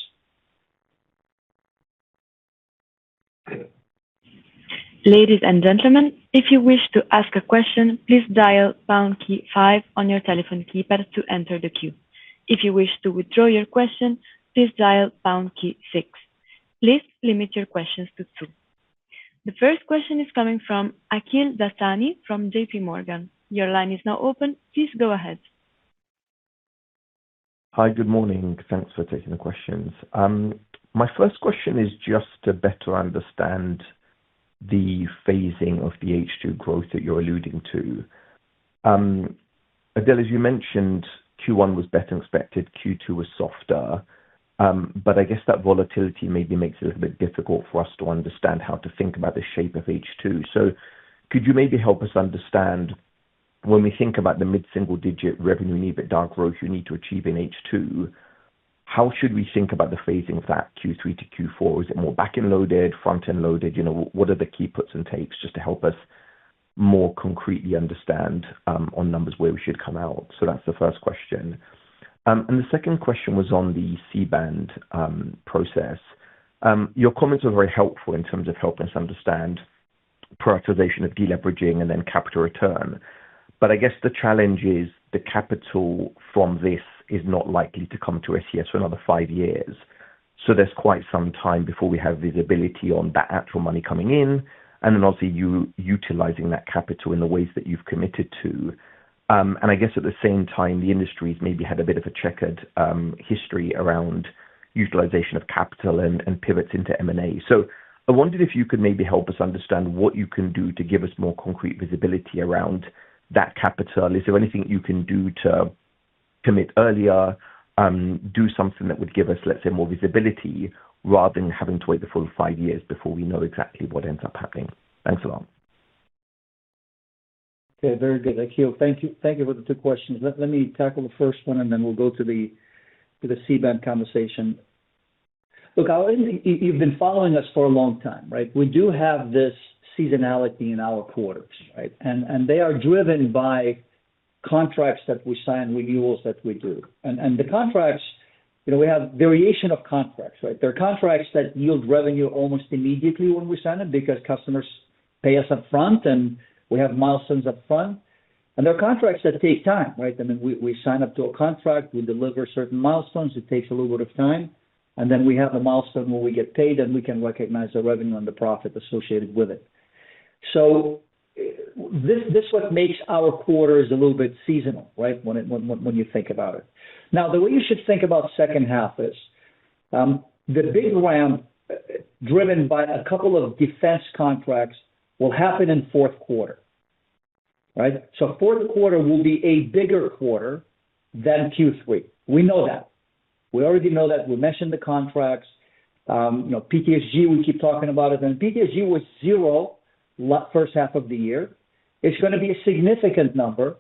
Ladies and gentlemen, if you wish to ask a question, please dial pound key five on your telephone keypad to enter the queue. If you wish to withdraw your question, please dial pound key six. Please limit your questions to two. The first question is coming from Akhil Dattani from JPMorgan. Your line is now open. Please go ahead. Hi, good morning. Thanks for taking the questions. My first question is just to better understand the phasing of the H2 growth that you are alluding to. Adel, as you mentioned, Q1 was better than expected, Q2 was softer. I guess that volatility maybe makes it a bit difficult for us to understand how to think about the shape of H2. So could you maybe help us understand, when we think about the mid-single-digit revenue EBITDA growth you need to achieve in H2, how should we think about the phasing of that Q3 to Q4? Is it more back-end loaded, front-end loaded? What are the key puts and takes just to help us more concretely understand, on numbers, where we should come out? So that is the first question. The second question was on the C-band process. Your comments were very helpful in terms of helping us understand prioritization of deleveraging and then capital return. I guess the challenge is the capital from this is not likely to come to SES for another five years. There's quite some time before we have visibility on that actual money coming in. Then obviously, you utilizing that capital in the ways that you've committed to. I guess at the same time, the industry's maybe had a bit of a checkered history around utilization of capital and pivots into M&A. I wondered if you could maybe help us understand what you can do to give us more concrete visibility around that capital. Is there anything you can do to commit earlier, do something that would give us, let's say, more visibility rather than having to wait the full five years before we know exactly what ends up happening? Thanks a lot. Very good, Akhil. Thank you for the two questions. Let me tackle the first one, then we'll go to the C-band conversation. Akhil, you've been following us for a long time, right? We do have this seasonality in our quarters, right? They are driven by contracts that we sign, renewals that we do. The contracts, we have variation of contracts, right? There are contracts that yield revenue almost immediately when we sign them because customers pay us upfront and we have milestones up front. There are contracts that take time, right? I mean, we sign up to a contract, we deliver certain milestones, it takes a little bit of time. Then we have a milestone where we get paid, and we can recognize the revenue and the profit associated with it. This is what makes our quarters a little bit seasonal, right? When you think about it. The way you should think about second half is, the big ramp, driven by a couple of defense contracts, will happen in fourth quarter. Right? Fourth quarter will be a bigger quarter than Q3. We know that. We already know that. We mentioned the contracts. PTSG, we keep talking about it. PTSG was zero first half of the year. It's going to be a significant number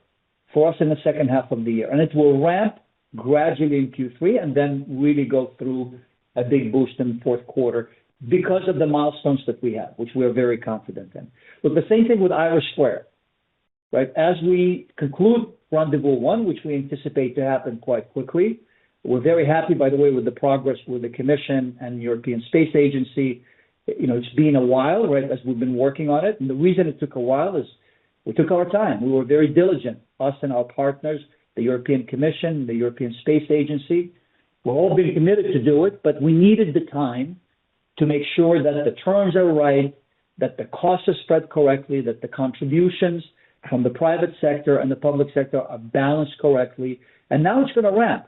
for us in the second half of the year. It will ramp gradually in Q3 and then really go through a big boost in the fourth quarter because of the milestones that we have, which we're very confident in. The same thing with IRIS², right? As we conclude Rendez-vous 1, which we anticipate to happen quite quickly. We're very happy, by the way, with the progress with the European Commission and the European Space Agency. It's been a while, right, as we've been working on it. The reason it took a while is we took our time. We were very diligent, us and our partners, the European Commission, the European Space Agency. We're all very committed to do it, but we needed the time to make sure that the terms are right, that the costs are spread correctly, that the contributions from the private sector and the public sector are balanced correctly. Now it's going to ramp.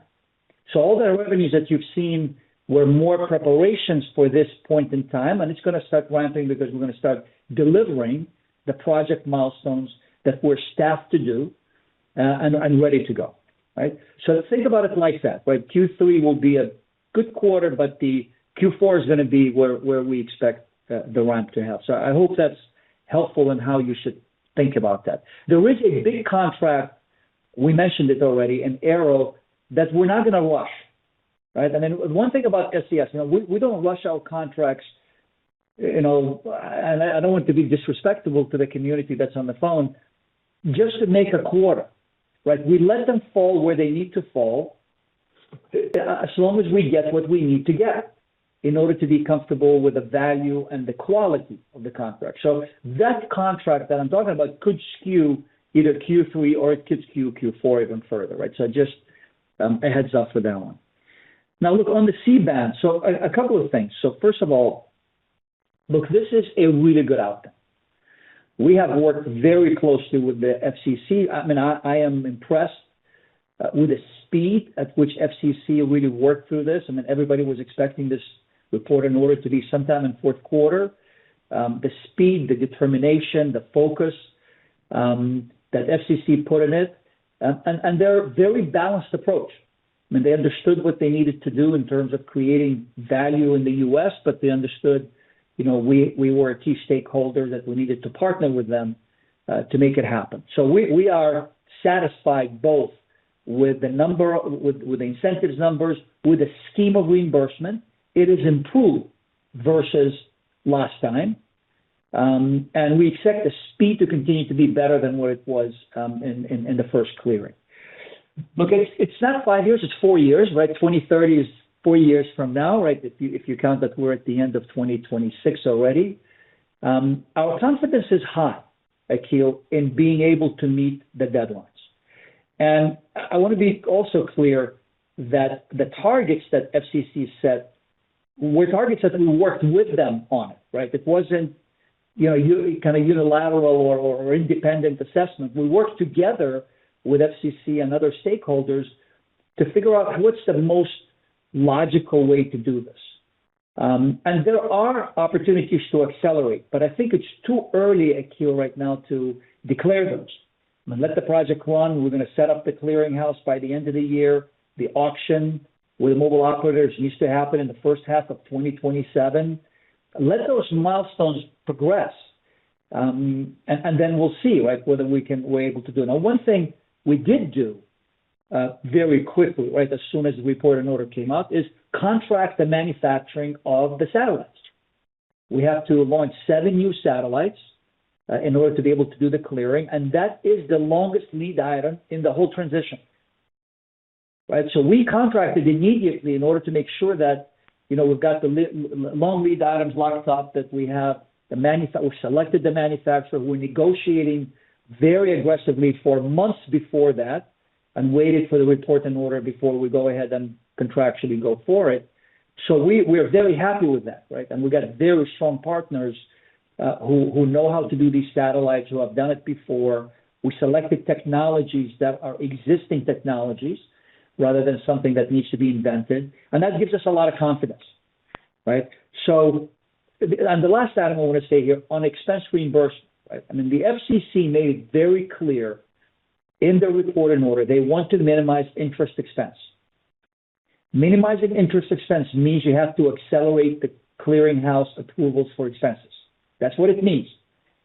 All the revenues that you've seen were more preparations for this point in time, and it's going to start ramping because we're going to start delivering the project milestones that we're staffed to do, and ready to go. Right? Think about it like that, where Q3 will be a good quarter, the Q4 is going to be where we expect the ramp to happen. I hope that's helpful in how you should think about that. There is a big contract, we mentioned it already, in Aero, that we're not going to rush. Right? One thing about SES, we don't rush our contracts, and I don't want to be disrespectful to the community that's on the phone, just to make a quarter. Right? We let them fall where they need to fall, as long as we get what we need to get in order to be comfortable with the value and the quality of the contract. That contract that I'm talking about could skew either Q3 or it could skew Q4 even further, right? Just a heads-up for that one. Look, on the C-band. A couple of things. First of all, look, this is a really good outcome. We have worked very closely with the FCC. I mean, I am impressed with the speed at which FCC really worked through this. I mean, everybody was expecting this report in order to be sometime in fourth quarter. The speed, the determination, the focus that FCC put in it, and their very balanced approach. I mean, they understood what they needed to do in terms of creating value in the U.S., but they understood we were a key stakeholder, that we needed to partner with them to make it happen. We are satisfied both with the incentives numbers, with the scheme of reimbursement. It is improved versus last time. We expect the speed to continue to be better than what it was in the first clearing. Look, it's not five years, it's four years, right? 2030 is four years from now, right? If you count that we're at the end of 2026 already. Our confidence is high, Akhil, in being able to meet the deadlines. I want to be also clear that the targets that FCC set that we worked with them on it, right? It wasn't unilateral or independent assessment. We worked together with FCC and other stakeholders to figure out what's the most logical way to do this. There are opportunities to accelerate, but I think it's too early, Akhil, right now to declare those. Let the project run. We're going to set up the clearing house by the end of the year. The auction with mobile operators needs to happen in the first half of 2027. Let those milestones progress. Then we'll see whether we're able to do it. One thing we did do very quickly, as soon as the report and order came out, is contract the manufacturing of the satellites. We have to launch seven new satellites in order to be able to do the clearing, and that is the longest lead item in the whole transition. We contracted immediately in order to make sure that we've got the long lead items locked up, that we have the manufacturer. We selected the manufacturer. We're negotiating very aggressively for months before that and waited for the report in order before we go ahead and contractually go for it. We are very happy with that. We've got very strong partners who know how to do these satellites, who have done it before. We selected technologies that are existing technologies rather than something that needs to be invented. That gives us a lot of confidence. The last item I want to say here on expense reimbursed, the FCC made it very clear in their report in order, they want to minimize interest expense. Minimizing interest expense means you have to accelerate the clearing house approvals for expenses. That's what it means.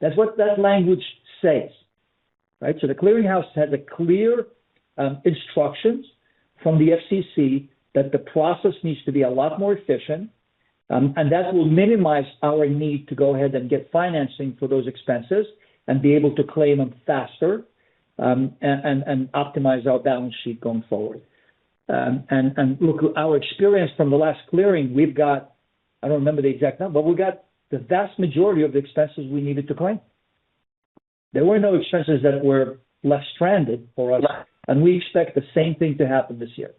That's what that language says. The clearing house has a clear instructions from the FCC that the process needs to be a lot more efficient, and that will minimize our need to go ahead and get financing for those expenses and be able to claim them faster, and optimize our balance sheet going forward. Look, our experience from the last clearing, we've got, I don't remember the exact number, but we got the vast majority of the expenses we needed to claim. There were no expenses that were left stranded for us. Right. We expect the same thing to happen this year.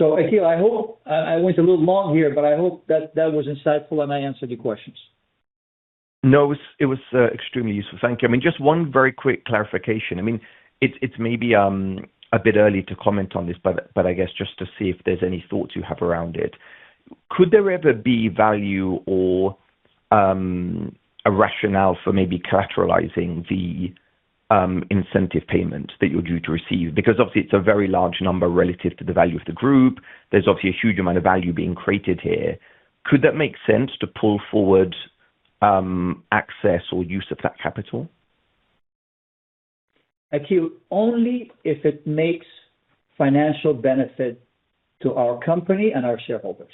Akhil, I went a little long here, but I hope that was insightful, and I answered your questions. No, it was extremely useful. Thank you. Just one very quick clarification. It's maybe a bit early to comment on this, but I guess just to see if there's any thoughts you have around it. Could there ever be value or a rationale for maybe collateralizing the incentive payment that you're due to receive? Obviously, it's a very large number relative to the value of the group. There's obviously a huge amount of value being created here. Could that make sense to pull forward access or use of that capital? Akhil, only if it makes financial benefit to our company and our shareholders.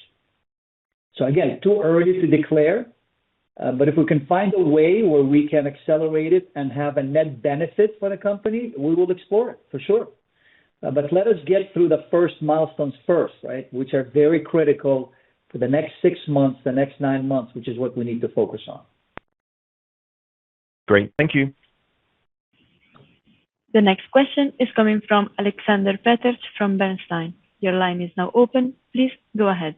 Again, too early to declare. If we can find a way where we can accelerate it and have a net benefit for the company, we will explore it, for sure. Let us get through the first milestones first, which are very critical for the next six months, the next nine months, which is what we need to focus on. Great. Thank you. The next question is coming from Aleksander Peterc from Bernstein. Your line is now open. Please go ahead.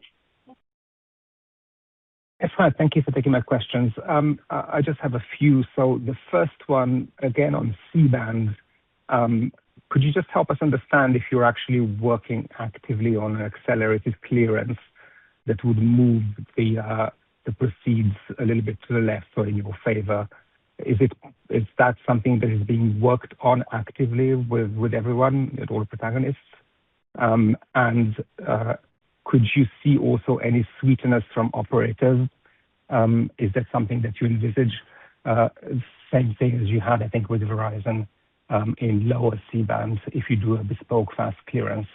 Everyone, thank you for taking my questions. I just have a few. The first one, again, on C-band. Could you just help us understand if you're actually working actively on an accelerated clearance that would move the proceeds a little bit to the left or in your favor? Is that something that is being worked on actively with everyone, with all protagonists? Could you see also any sweetness from operators? Is that something that you envisage, same thing as you had, I think, with Verizon, in lower C-bands if you do a bespoke fast clearance?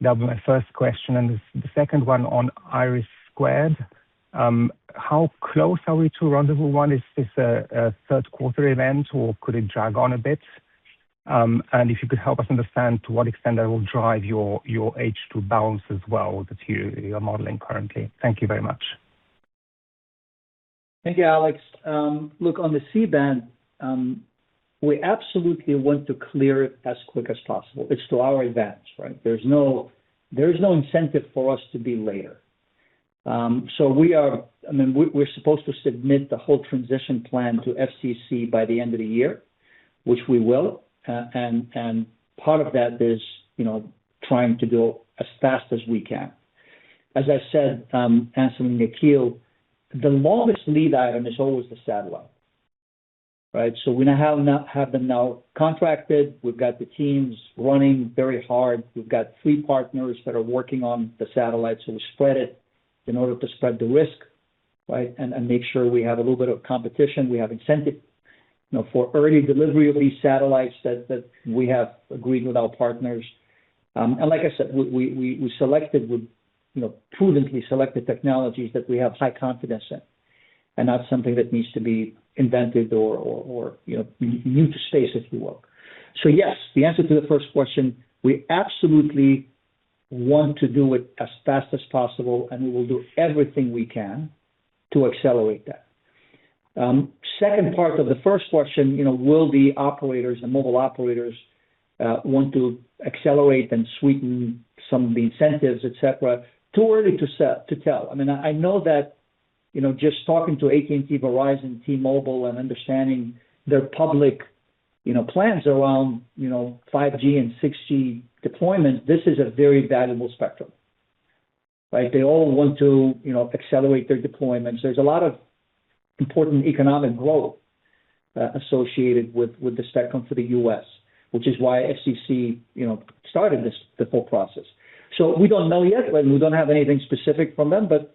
That would be my first question. The second one on IRIS². How close are we to Rendez-vous 1? Is this a third quarter event, or could it drag on a bit? If you could help us understand to what extent that will drive your H2 balance as well, that you are modeling currently. Thank you very much. Thank you, Alex. Look, on the C-band, we absolutely want to clear it as quick as possible. It's to our advantage, right? There's no incentive for us to be later. We're supposed to submit the whole transition plan to FCC by the end of the year, which we will. Part of that is trying to go as fast as we can. As I said, answering Akhil, the longest lead item is always the satellite. We now have them now contracted. We've got the teams running very hard. We've got three partners that are working on the satellite, so we spread it in order to spread the risk and make sure we have a little bit of competition. We have incentive for early delivery of these satellites that we have agreed with our partners. Like I said, we prudently selected technologies that we have high confidence in and not something that needs to be invented or new to space, if you will. Yes, the answer to the first question, we absolutely want to do it as fast as possible, we will do everything we can to accelerate that. Second part of the first question, will the operators and mobile operators want to accelerate and sweeten some of the incentives, et cetera? Too early to tell. I know that just talking to AT&T, Verizon, T-Mobile, and understanding their public plans around 5G and 6G deployment, this is a very valuable spectrum. They all want to accelerate their deployments. There's a lot of important economic growth associated with the spectrum for the U.S., which is why FCC started the whole process. We don't know yet. We don't have anything specific from them, but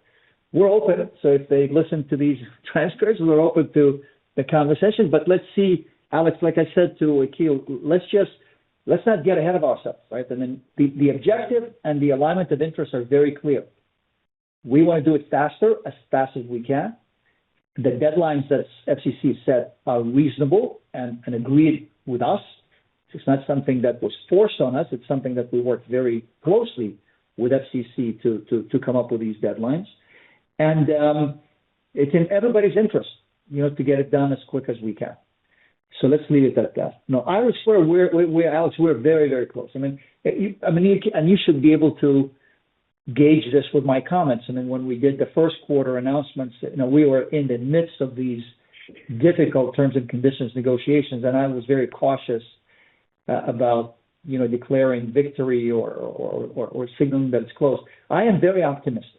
we're open. If they listen to these transcripts, we're open to the conversation, but let's see. Alex, like I said to Akhil, let's not get ahead of ourselves. Right? I mean, the objective, and the alignment of interests are very clear. We want to do it faster, as fast as we can. The deadlines that FCC set are reasonable and agreed with us. It's not something that was forced on us. It's something that we worked very closely with FCC to come up with these deadlines. It's in everybody's interest to get it done as quick as we can. Let's leave it at that. No, IRIS², Alex, we're very, very close. You should be able to gauge this with my comments. When we did the first quarter announcements, we were in the midst of these difficult terms and conditions negotiations, I was very cautious about declaring victory or signaling that it's close. I am very optimistic.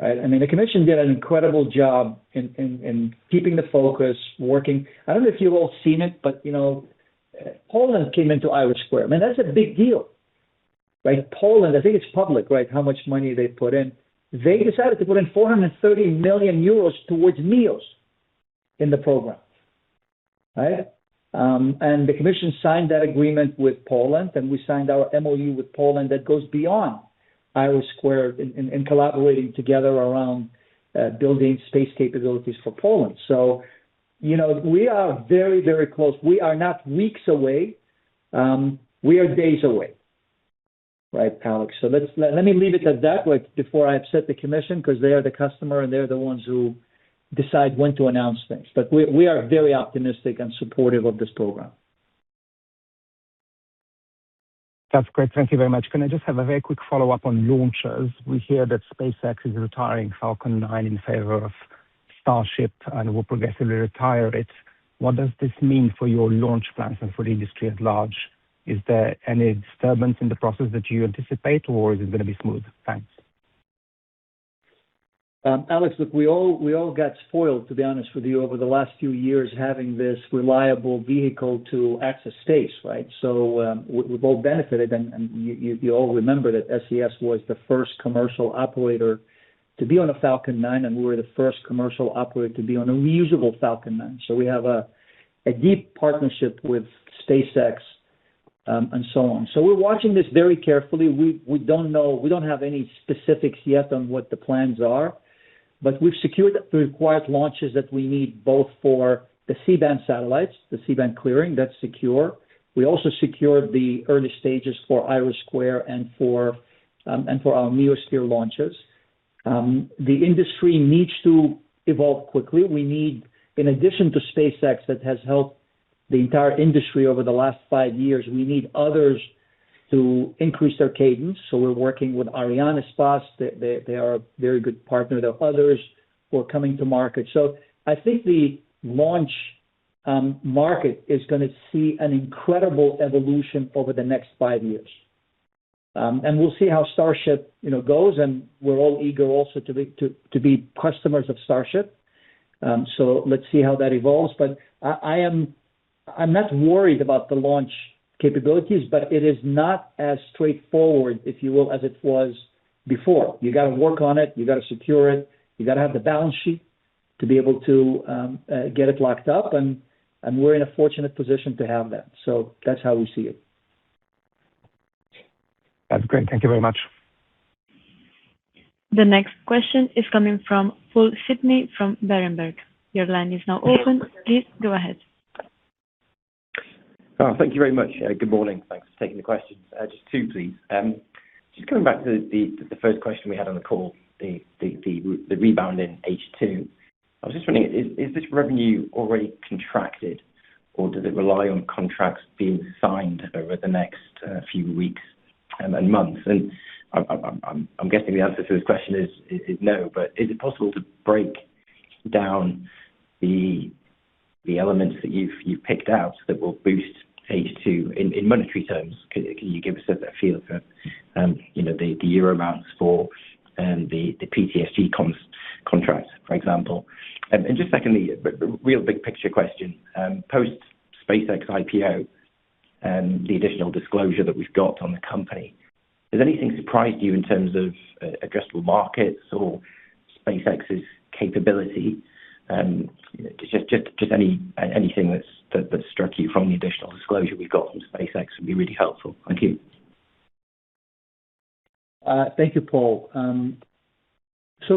Right? The commission did an incredible job in keeping the focus, working. I don't know if you've all seen it, but Poland came into IRIS². That's a big deal, right? Poland, I think it's public, how much money they put in. They decided to put in 430 million euros towards NEOS in the program. Right? The commission signed that agreement with Poland, we signed our MOU with Poland that goes beyond IRIS² in collaborating together around building space capabilities for Poland. We are very, very close. We are not weeks away. We are days away. Right, Alex? Let me leave it at that before I upset the commission, because they are the customer and they're the ones who decide when to announce things. We are very optimistic and supportive of this program. That's great. Thank you very much. Can I just have a very quick follow-up on launches? We hear that SpaceX is retiring Falcon 9 in favor of Starship and will progressively retire it. What does this mean for your launch plans and for the industry at large? Is there any disturbance in the process that you anticipate, or is it going to be smooth? Thanks. Alex, look, we all got spoiled, to be honest with you, over the last few years, having this reliable vehicle to access space, right? We've all benefited, and you all remember that SES was the first commercial operator to be on a Falcon 9, and we were the first commercial operator to be on a reusable Falcon 9. We have a deep partnership with SpaceX, and so on. We're watching this very carefully. We don't have any specifics yet on what the plans are, but we've secured the required launches that we need, both for the C-band satellites, the C-band clearing. That's secure. We also secured the early stages for IRIS² and for our NEOS-2 launches. The industry needs to evolve quickly. In addition to SpaceX that has helped the entire industry over the last five years, we need others to increase their cadence. We're working with Arianespace. They are a very good partner. There are others who are coming to market. I think the launch market is going to see an incredible evolution over the next five years. We'll see how Starship goes, and we're all eager also to be customers of Starship. Let's see how that evolves. I'm not worried about the launch capabilities, but it is not as straightforward, if you will, as it was before. You got to work on it. You got to secure it. You got to have the balance sheet to be able to get it locked up, and we're in a fortunate position to have that. That's how we see it. That's great. Thank you very much. The next question is coming from Paul Sidney from Berenberg. Your line is now open. Please go ahead. Thank you very much. Good morning. Thanks for taking the questions. Just two, please. Just coming back to the first question we had on the call, the rebound in H2. I was just wondering, is this revenue already contracted, or does it rely on contracts being signed over the next few weeks and months? I'm guessing the answer to this question is no, but is it possible to break down the elements that you've picked out that will boost H2 in monetary terms? Can you give us a feel for the EUR amounts for the PTSG contract, for example? Just secondly, real big picture question. Post SpaceX IPO, the additional disclosure that we've got on the company. Has anything surprised you in terms of addressable markets or SpaceX's capability? Just anything that's struck you from the additional disclosure we've got from SpaceX would be really helpful. Thank you. Thank you, Paul. We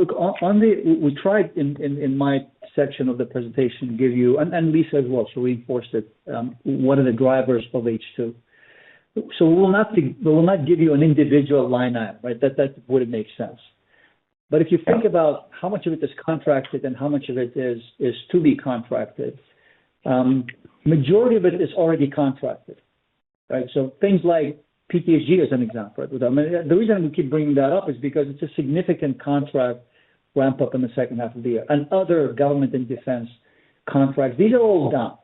tried in my section of the presentation to give you, and Lisa as well, reinforced it, what are the drivers of H2. We'll not give you an individual line item. That wouldn't make sense. If you think about how much of it is contracted and how much of it is to be contracted, majority of it is already contracted. Things like PTSG is an example. The reason we keep bringing that up is because it's a significant contract ramp-up in the second half of the year. Other government and defense contracts, these are all done.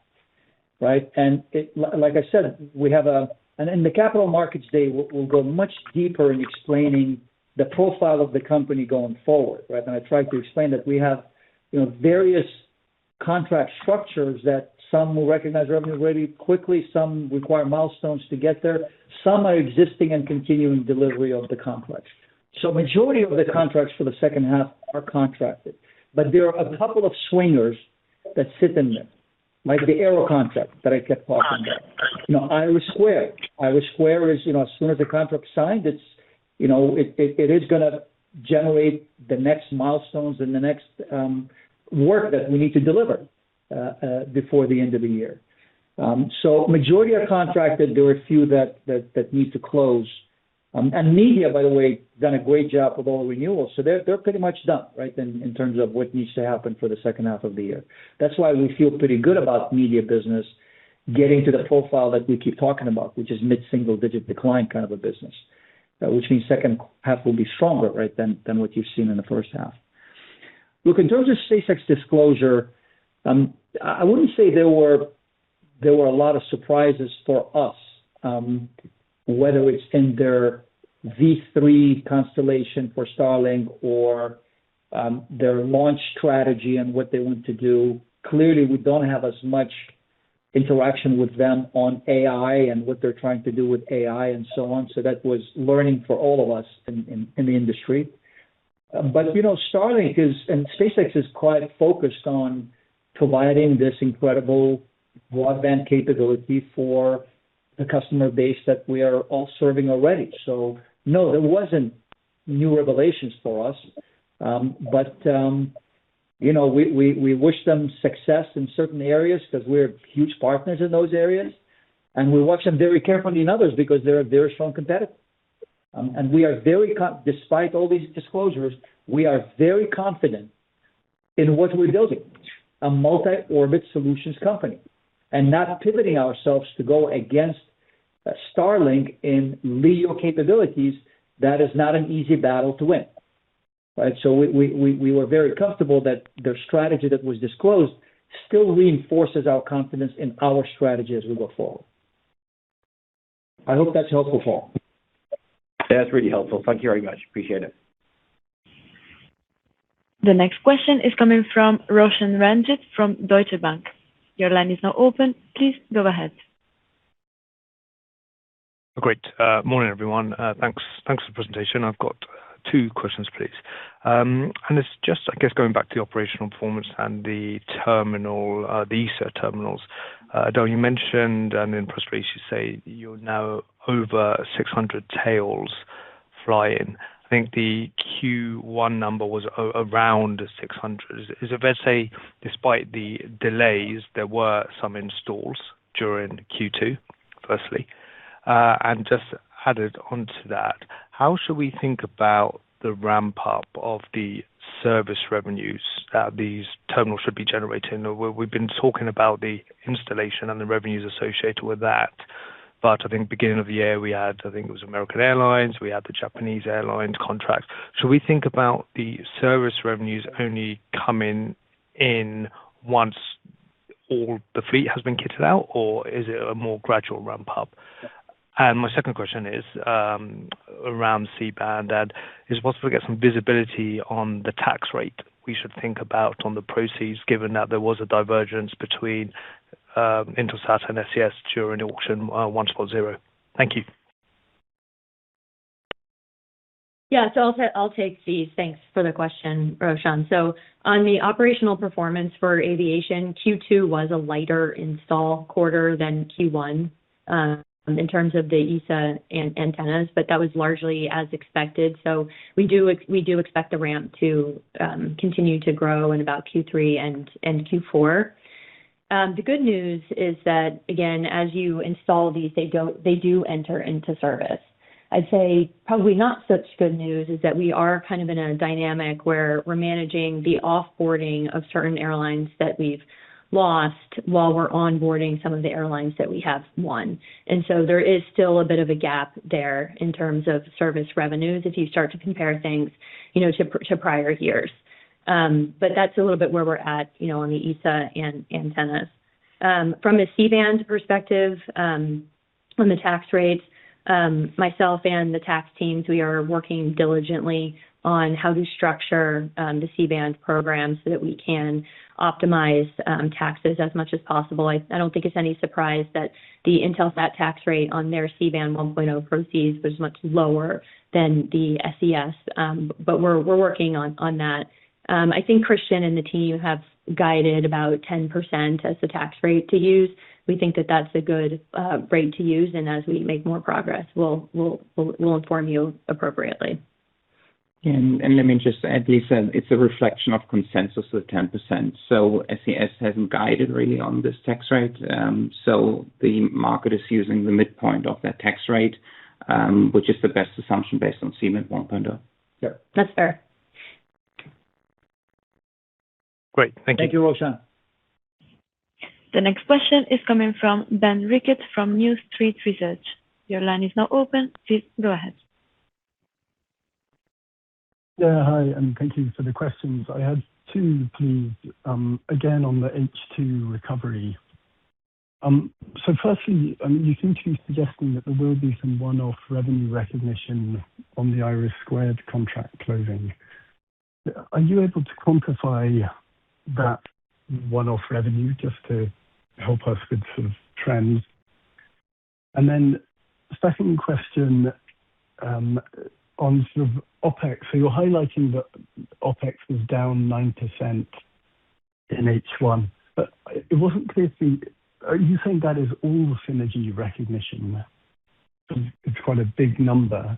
Like I said, in the Capital Markets Day, we'll go much deeper in explaining the profile of the company going forward. I tried to explain that we have various contract structures that some will recognize revenue very quickly, some require milestones to get there. Some are existing and continuing delivery of the contracts. Majority of the contracts for the second half are contracted, but there are a couple of swingers that sit in there, like the Aero contract that I kept talking about. IRIS². IRIS² is, as soon as the contract's signed, it is going to generate the next milestones and the next work that we need to deliver before the end of the year. Majority are contracted. There are a few that need to close. Media, by the way, done a great job with all the renewals. They're pretty much done in terms of what needs to happen for the second half of the year. That's why we feel pretty good about media business getting to the profile that we keep talking about, which is mid-single-digit decline kind of a business, which means second half will be stronger than what you've seen in the first half. Look, in terms of SpaceX disclosure, I wouldn't say there were a lot of surprises for us, whether it's in their Starlink V3 constellation or their launch strategy and what they want to do. Clearly, we don't have as much interaction with them on AI and what they're trying to do with AI and so on, so that was learning for all of us in the industry. Starlink is, and SpaceX is quite focused on providing this incredible broadband capability for the customer base that we are all serving already. No, there wasn't new revelations for us. We wish them success in certain areas because we're huge partners in those areas, and we watch them very carefully in others because they're a very strong competitor. Despite all these disclosures, we are very confident in what we're building, a multi-orbit solutions company, and not pivoting ourselves to go against Starlink in LEO capabilities. That is not an easy battle to win. We were very comfortable that their strategy that was disclosed still reinforces our confidence in our strategy as we go forward. I hope that's helpful, Paul. That's really helpful. Thank you very much. Appreciate it. The next question is coming from Roshan Ranjit from Deutsche Bank. Your line is now open. Please go ahead. Great. Morning, everyone. Thanks for the presentation. I've got two questions, please. It's just, I guess, going back to the operational performance and the terminal, the IESA terminals. Though, you mentioned, then Prusty, you say you're now over 600 tails flying. I think the Q1 number was around 600. Is it fair to say despite the delays, there were some installs during Q2, firstly? Just added onto that, how should we think about the ramp-up of the service revenues that these terminals should be generating? We've been talking about the installation and the revenues associated with that. But I think beginning of the year, we had, I think it was American Airlines, we had the Japan Airlines contract. Should we think about the service revenues only coming in once all the fleet has been kitted out, or is it a more gradual ramp-up? My second question is around C-band, and is it possible to get some visibility on the tax rate we should think about on the proceeds, given that there was a divergence between Intelsat and SES during auction 1.0? Thank you. I'll take these. Thanks for the question, Roshan. On the operational performance for aviation, Q2 was a lighter install quarter than Q1 in terms of the IESA antennas, but that was largely as expected. We do expect the ramp to continue to grow in about Q3 and Q4. The good news is that, again, as you install these, they do enter into service. I'd say probably not such good news is that we are kind of in a dynamic where we're managing the off-boarding of certain airlines that we've lost while we're on-boarding some of the airlines that we have won. There is still a bit of a gap there in terms of service revenues, if you start to compare things to prior years. That's a little bit where we're at on the IESA antennas. From a C-band perspective, on the tax rates, myself, and the tax teams, we are working diligently on how to structure the C-band program so that we can optimize taxes as much as possible. I don't think it's any surprise that the Intelsat tax rate on their C-band 1.0 proceeds was much lower than the SES, but we're working on that. I think Christian and the team have guided about 10% as the tax rate to use. We think that that's a good rate to use, and as we make more progress, we'll inform you appropriately. Let me just add, Lisa, it's a reflection of consensus of 10%. SES hasn't guided really on this tax rate. The market is using the midpoint of that tax rate, which is the best assumption based on CMIT 1.0. That's fair. Great. Thank you. Thank you, Roshan. The next question is coming from Ben Rickett from New Street Research. Your line is now open. Please go ahead. Yeah. Hi, and thank you for the questions. I had two, please. Again, on the H2 recovery. Firstly, you seem to be suggesting that there will be someone off revenue recognition on the IRIS² contract closing. Are you able to quantify that one-off revenue just to help us with sort of trends? Second question, on sort of OpEx. You're highlighting that OpEx was down 90% in H1, but it wasn't clear for me, are you saying that is all synergy recognition? It's quite a big number.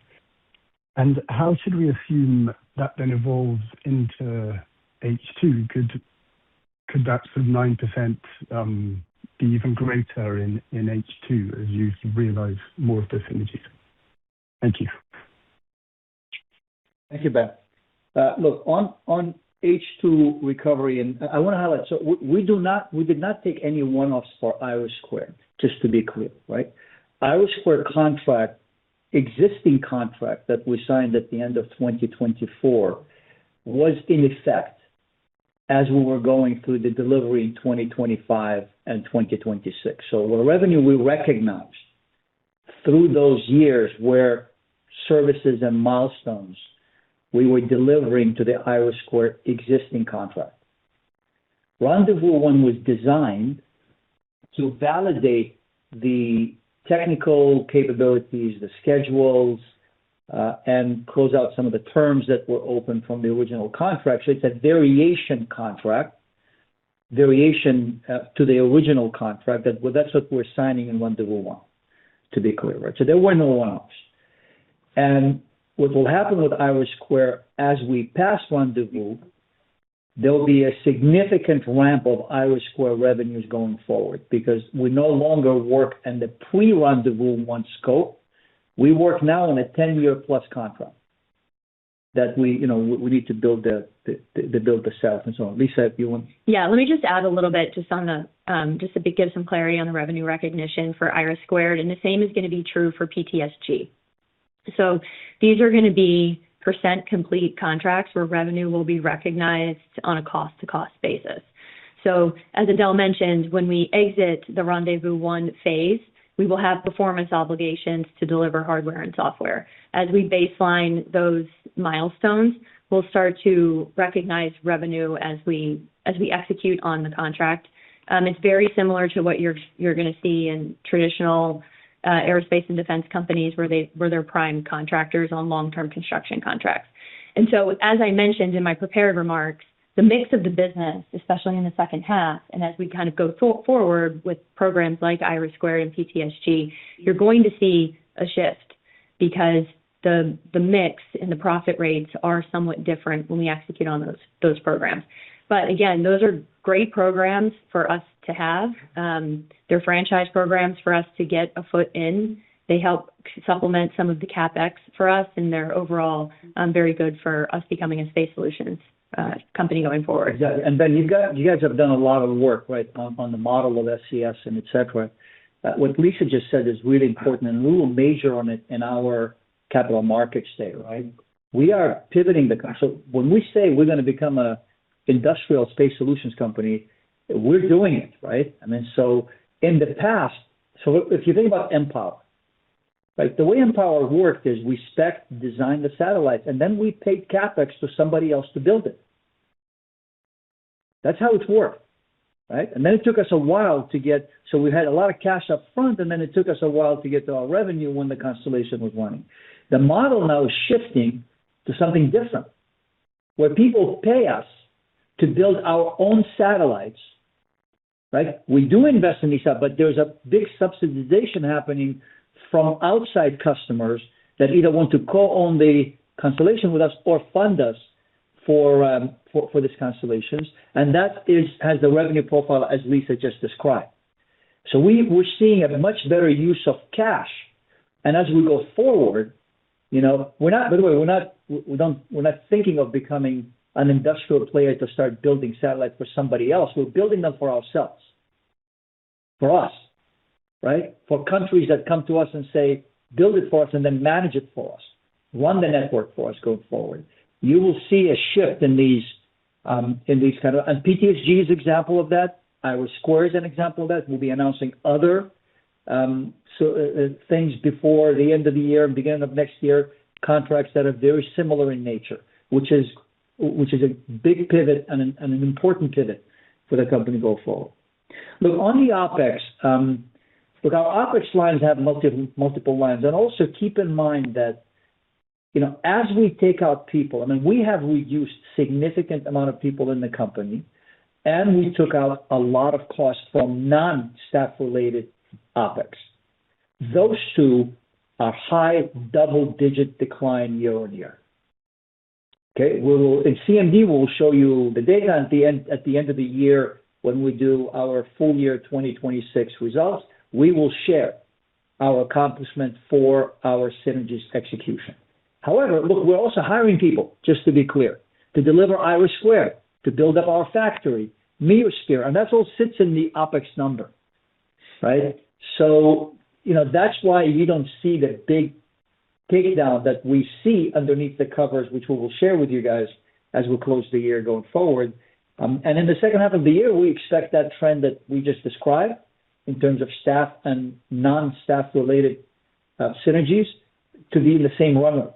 How should we assume that then evolves into H2? Could that sort of 9% be even greater in H2 as you realize more of the synergies? Thank you. Thank you, Ben. Look, on H2 recovery, I want to highlight, we did not take any one-offs for IRIS², just to be clear. IRIS² contract, existing contract that we signed at the end of 2024 was in effect as we were going through the delivery in 2025 and 2026. The revenue we recognized through those years where services and milestones we were delivering to the IRIS² existing contract. Rendezvous 1 was designed to validate the technical capabilities, the schedules, and close out some of the terms that were open from the original contract. It's a variation contract, variation to the original contract. That's what we're signing in Rendezvous 1, to be clear. There were no one-offs. What will happen with IRIS² as we pass Rendezvous, there'll be a significant ramp of IRIS² revenues going forward because we no longer work in the pre-Rendezvous 1 scope. We work now on a 10-year plus contract that we need to build the staff and so on. Lisa, if you want. Yeah, let me just add a little bit just to give some clarity on the revenue recognition for IRIS². The same is going to be true for PTSG. These are going to be % complete contracts where revenue will be recognized on a cost-to-cost basis. As Adel mentioned, when we exit the Rendezvous 1 phase, we will have performance obligations to deliver hardware and software. As we baseline those milestones, we'll start to recognize revenue as we execute on the contract. It's very similar to what you're going to see in traditional aerospace and defense companies where they're prime contractors on long-term construction contracts. As I mentioned in my prepared remarks, the mix of the business, especially in the second half, as we go forward with programs like IRIS² and PTSG, you're going to see a shift because the mix and the profit rates are somewhat different when we execute on those programs. Again, those are great programs for us to have. They're franchise programs for us to get a foot in. They help supplement some of the CapEx for us, and they're overall very good for us becoming a space solutions company going forward. Exactly. Ben, you guys have done a lot of work on the model of SES and et cetera. What Lisa just said is really important, and we will measure on it in our Capital Markets Day. We are pivoting. When we say we're going to become an industrial space solutions company, we're doing it. If you think about mPOWER. The way mPOWER worked is we spec'd, designed the satellites, then we paid CapEx to somebody else to build it. That's how it's worked. Then it took us a while to get. We had a lot of cash up front, then it took us a while to get to our revenue when the constellation was running. The model now is shifting to something different, where people pay us to build our own satellites. We do invest in these stuff, there's a big subsidization happening from outside customers that either want to co-own the constellation with us or fund us for these constellations. That has the revenue profile as Lisa just described. We're seeing a much better use of cash. As we go forward, by the way, we're not thinking of becoming an industrial player to start building satellites for somebody else. We're building them for ourselves, for us. For countries that come to us and say, "Build it for us and then manage it for us. Run the network for us going forward." You will see a shift in these. PTSG is an example of that. IRIS² is an example of that. We'll be announcing other things before the end of the year and beginning of next year, contracts that are very similar in nature, which is a big pivot and an important pivot for the company going forward. On the OpEx. Our OpEx lines have multiple lines. Also keep in mind that, as we take out people, we have reduced significant amount of people in the company, and we took out a lot of costs from non-staff related OpEx. Those two are high double-digit decline year-on-year. Okay? In CMD, we'll show you the data at the end of the year when we do our full year 2026 results. We will share our accomplishment for our synergies execution. However, look, we're also hiring people, just to be clear, to deliver IRIS², to build up our factory, meoSphere, and that all sits in the OpEx number. Right? That's why you don't see the big takedown that we see underneath the covers, which we will share with you guys as we close the year going forward. In the second half of the year, we expect that trend that we just described in terms of staff and non-staff-related synergies to be in the same realm.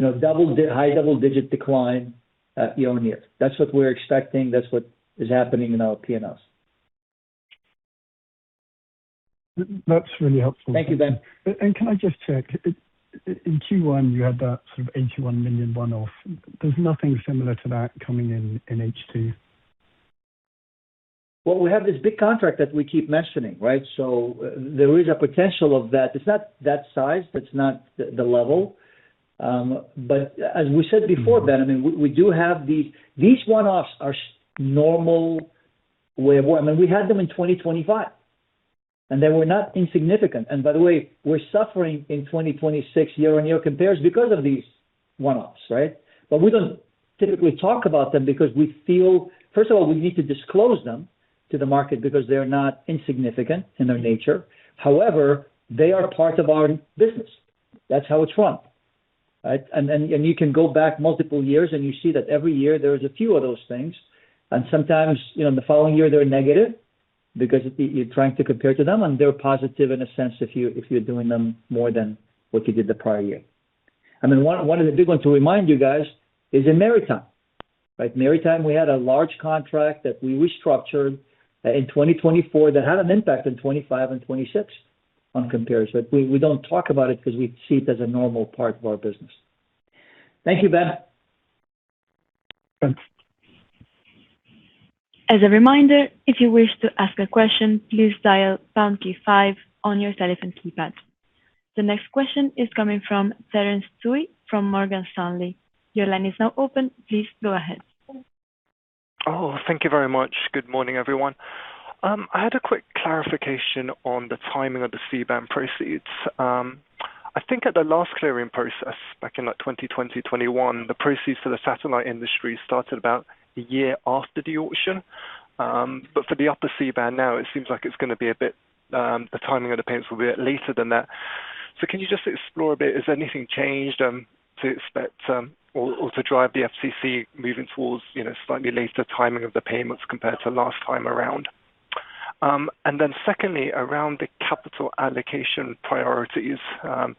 High double-digit decline year-on-year. That's what we're expecting. That's what is happening in our P&Ls. That's really helpful. Thank you, Ben. Can I just check, in Q1, you had that sort of 81 million one-off. There's nothing similar to that coming in in H2? Well, we have this big contract that we keep mentioning, right? There is a potential of that. It's not that size, it's not the level. As we said before, Ben, these one-offs are normal way of work. We had them in 2025. They were not insignificant. We're suffering in 2026 year-on-year compares because of these one-offs, right? We don't typically talk about them because we feel, first of all, we need to disclose them to the market because they're not insignificant in their nature. However, they are part of our business. That's how it's run. Right? You can go back multiple years, and you see that every year there is a few of those things. Sometimes, in the following year, they're negative because you're trying to compare to them, and they're positive in a sense if you're doing them more than what you did the prior year. One of the big ones to remind you guys is in maritime. Right? In maritime, we had a large contract that we restructured in 2024 that had an impact in 2025 and 2026 on comparison. We don't talk about it because we see it as a normal part of our business. Thank you, Ben. Thanks. As a reminder, if you wish to ask a question, please dial pound key five on your telephone keypad. The next question is coming from Terence Tsui from Morgan Stanley. Your line is now open. Please go ahead. Oh, thank you very much. Good morning, everyone. I had a quick clarification on the timing of the C-band proceeds. I think at the last clearing process, back in 2020, 2021, the proceeds for the satellite industry started about a year after the auction. For the upper C-band now, it seems like the timing of the payments will be a bit later than that. Can you just explore a bit, has anything changed to drive the FCC moving towards slightly later timing of the payments compared to last time around? Secondly, around the capital allocation priorities. You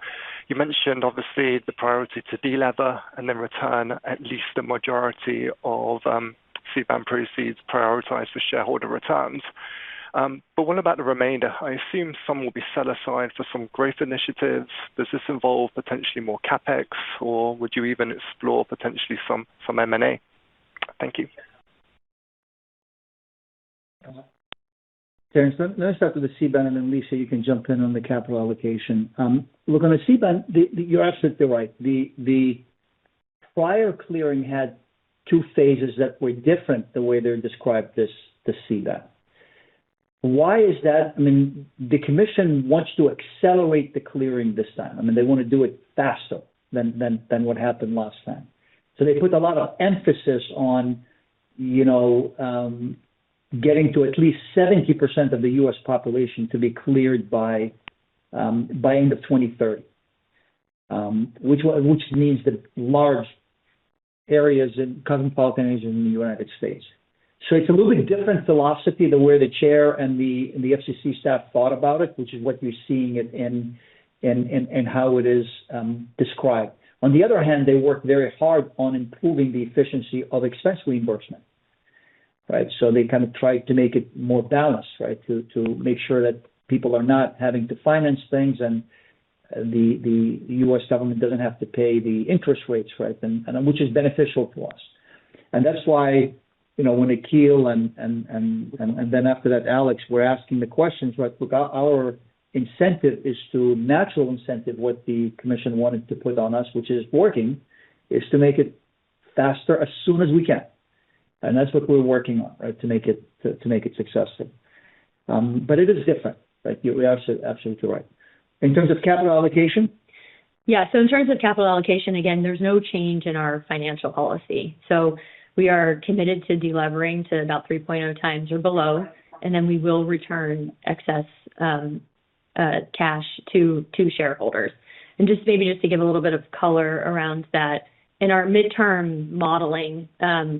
mentioned, obviously, the priority to delever and then return at least the majority of C-band proceeds prioritized for shareholder returns. What about the remainder? I assume some will be set aside for some growth initiatives. Does this involve potentially more CapEx, or would you even explore potentially some M&A? Thank you. Terence, let me start with the C-band. Then Lisa, you can jump in on the capital allocation. Look, on the C-band, you're absolutely right. The prior clearing had two phases that were different than the way they described this, the C-band. Why is that? The commission wants to accelerate the clearing this time. They want to do it faster than what happened last time. They put a lot of emphasis on getting to at least 70% of the U.S. population to be cleared by end of 2030, which means the large areas in, cosmopolitan areas in the United States. It's a little bit different philosophy than where the chair and the FCC staff thought about it, which is what you're seeing and how it is described. On the other hand, they work very hard on improving the efficiency of expense reimbursement. Right? They kind of try to make it more balanced, right? To make sure that people are not having to finance things, and the U.S. government doesn't have to pay the interest rates, right? Which is beneficial to us. That's why, when Akhil and then after that, Alex, were asking the questions, look, our incentive is to, natural incentive, what the commission wanted to put on us, which is working, is to make it faster as soon as we can. That's what we're working on to make it successful. It is different. You're absolutely right. In terms of capital allocation? Yeah. In terms of capital allocation, again, there's no change in our financial policy. We are committed to delevering to about 3.0 times or below, and then we will return excess cash to shareholders. Just maybe just to give a little bit of color around that, in our midterm modeling,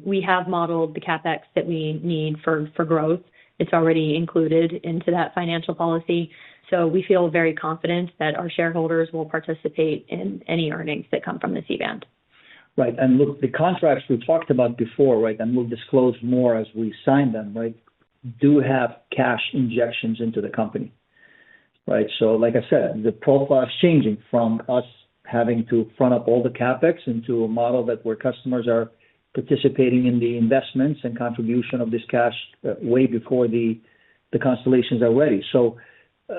we have modeled the CapEx that we need for growth. It's already included into that financial policy. We feel very confident that our shareholders will participate in any earnings that come from this event. Right. Look, the contracts we talked about before, right, and we'll disclose more as we sign them, do have cash injections into the company. Right? Like I said, the profile is changing from us having to front up all the CapEx into a model where customers are participating in the investments and contribution of this cash way before the constellations are ready.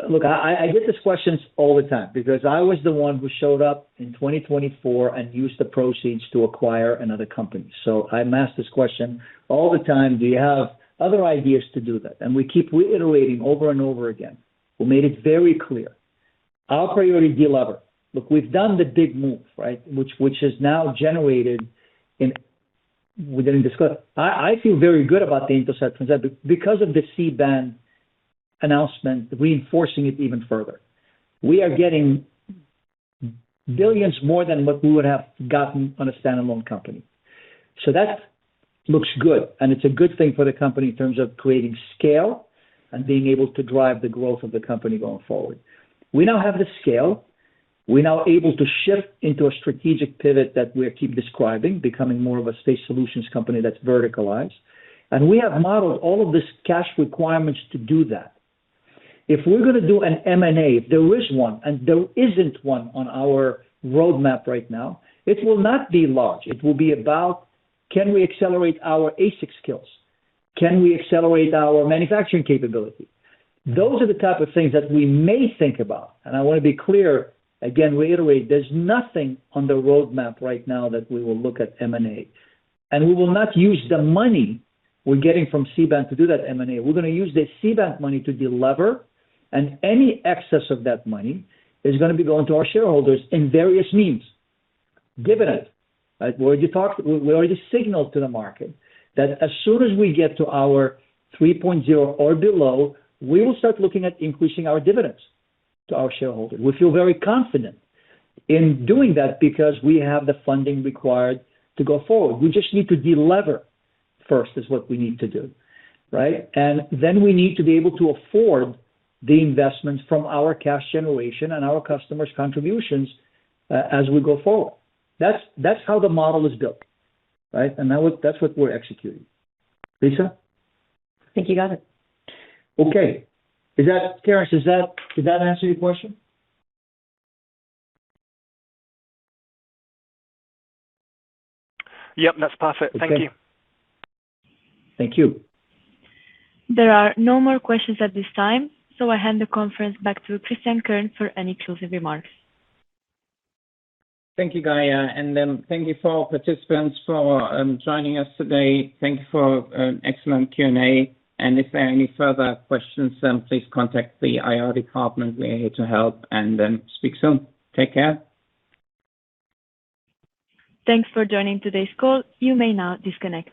Look, I get these questions all the time because I was the one who showed up in 2024 and used the proceeds to acquire another company. I am asked this question all the time, "Do you have other ideas to do that?" We keep reiterating over and over again. We made it very clear, our priority delever. Look, we've done the big move, right? We didn't discuss. I feel very good about the Intelsat transaction, because of the C-band announcement reinforcing it even further. We are getting billions more than what we would have gotten on a standalone company. That looks good, and it's a good thing for the company in terms of creating scale and being able to drive the growth of the company going forward. We now have the scale. We're now able to shift into a strategic pivot that we keep describing, becoming more of a space solutions company that's verticalized. We have modeled all of these cash requirements to do that. If we're going to do an M&A, if there is one, and there isn't one on our roadmap right now, it will not be large. It will be about can we accelerate our ASIC skills? Can we accelerate our manufacturing capability? Those are the type of things that we may think about, I want to be clear, again, reiterate, there's nothing on the roadmap right now that we will look at M&A. We will not use the money we're getting from C-band to do that M&A. We're going to use the C-band money to delever, and any excess of that money is going to be going to our shareholders in various means. Dividends. We already signaled to the market that as soon as we get to our 3.0 or below, we will start looking at increasing our dividends to our shareholders. We feel very confident in doing that because we have the funding required to go forward. We just need to delever first, is what we need to do. Right? Then we need to be able to afford the investments from our cash generation and our customers' contributions as we go forward. That's how the model is built. Right? That's what we're executing. Lisa? I think you got it. Okay. Terence, does that answer your question? Yep, that's perfect. Thank you. Thank you. There are no more questions at this time. I hand the conference back to Christian Kern for any closing remarks. Thank you, Gaia, and thank you for our participants for joining us today. Thank you for an excellent Q&A. If there are any further questions, please contact the IR department. We are here to help, and speak soon. Take care. Thanks for joining today's call. You may now disconnect.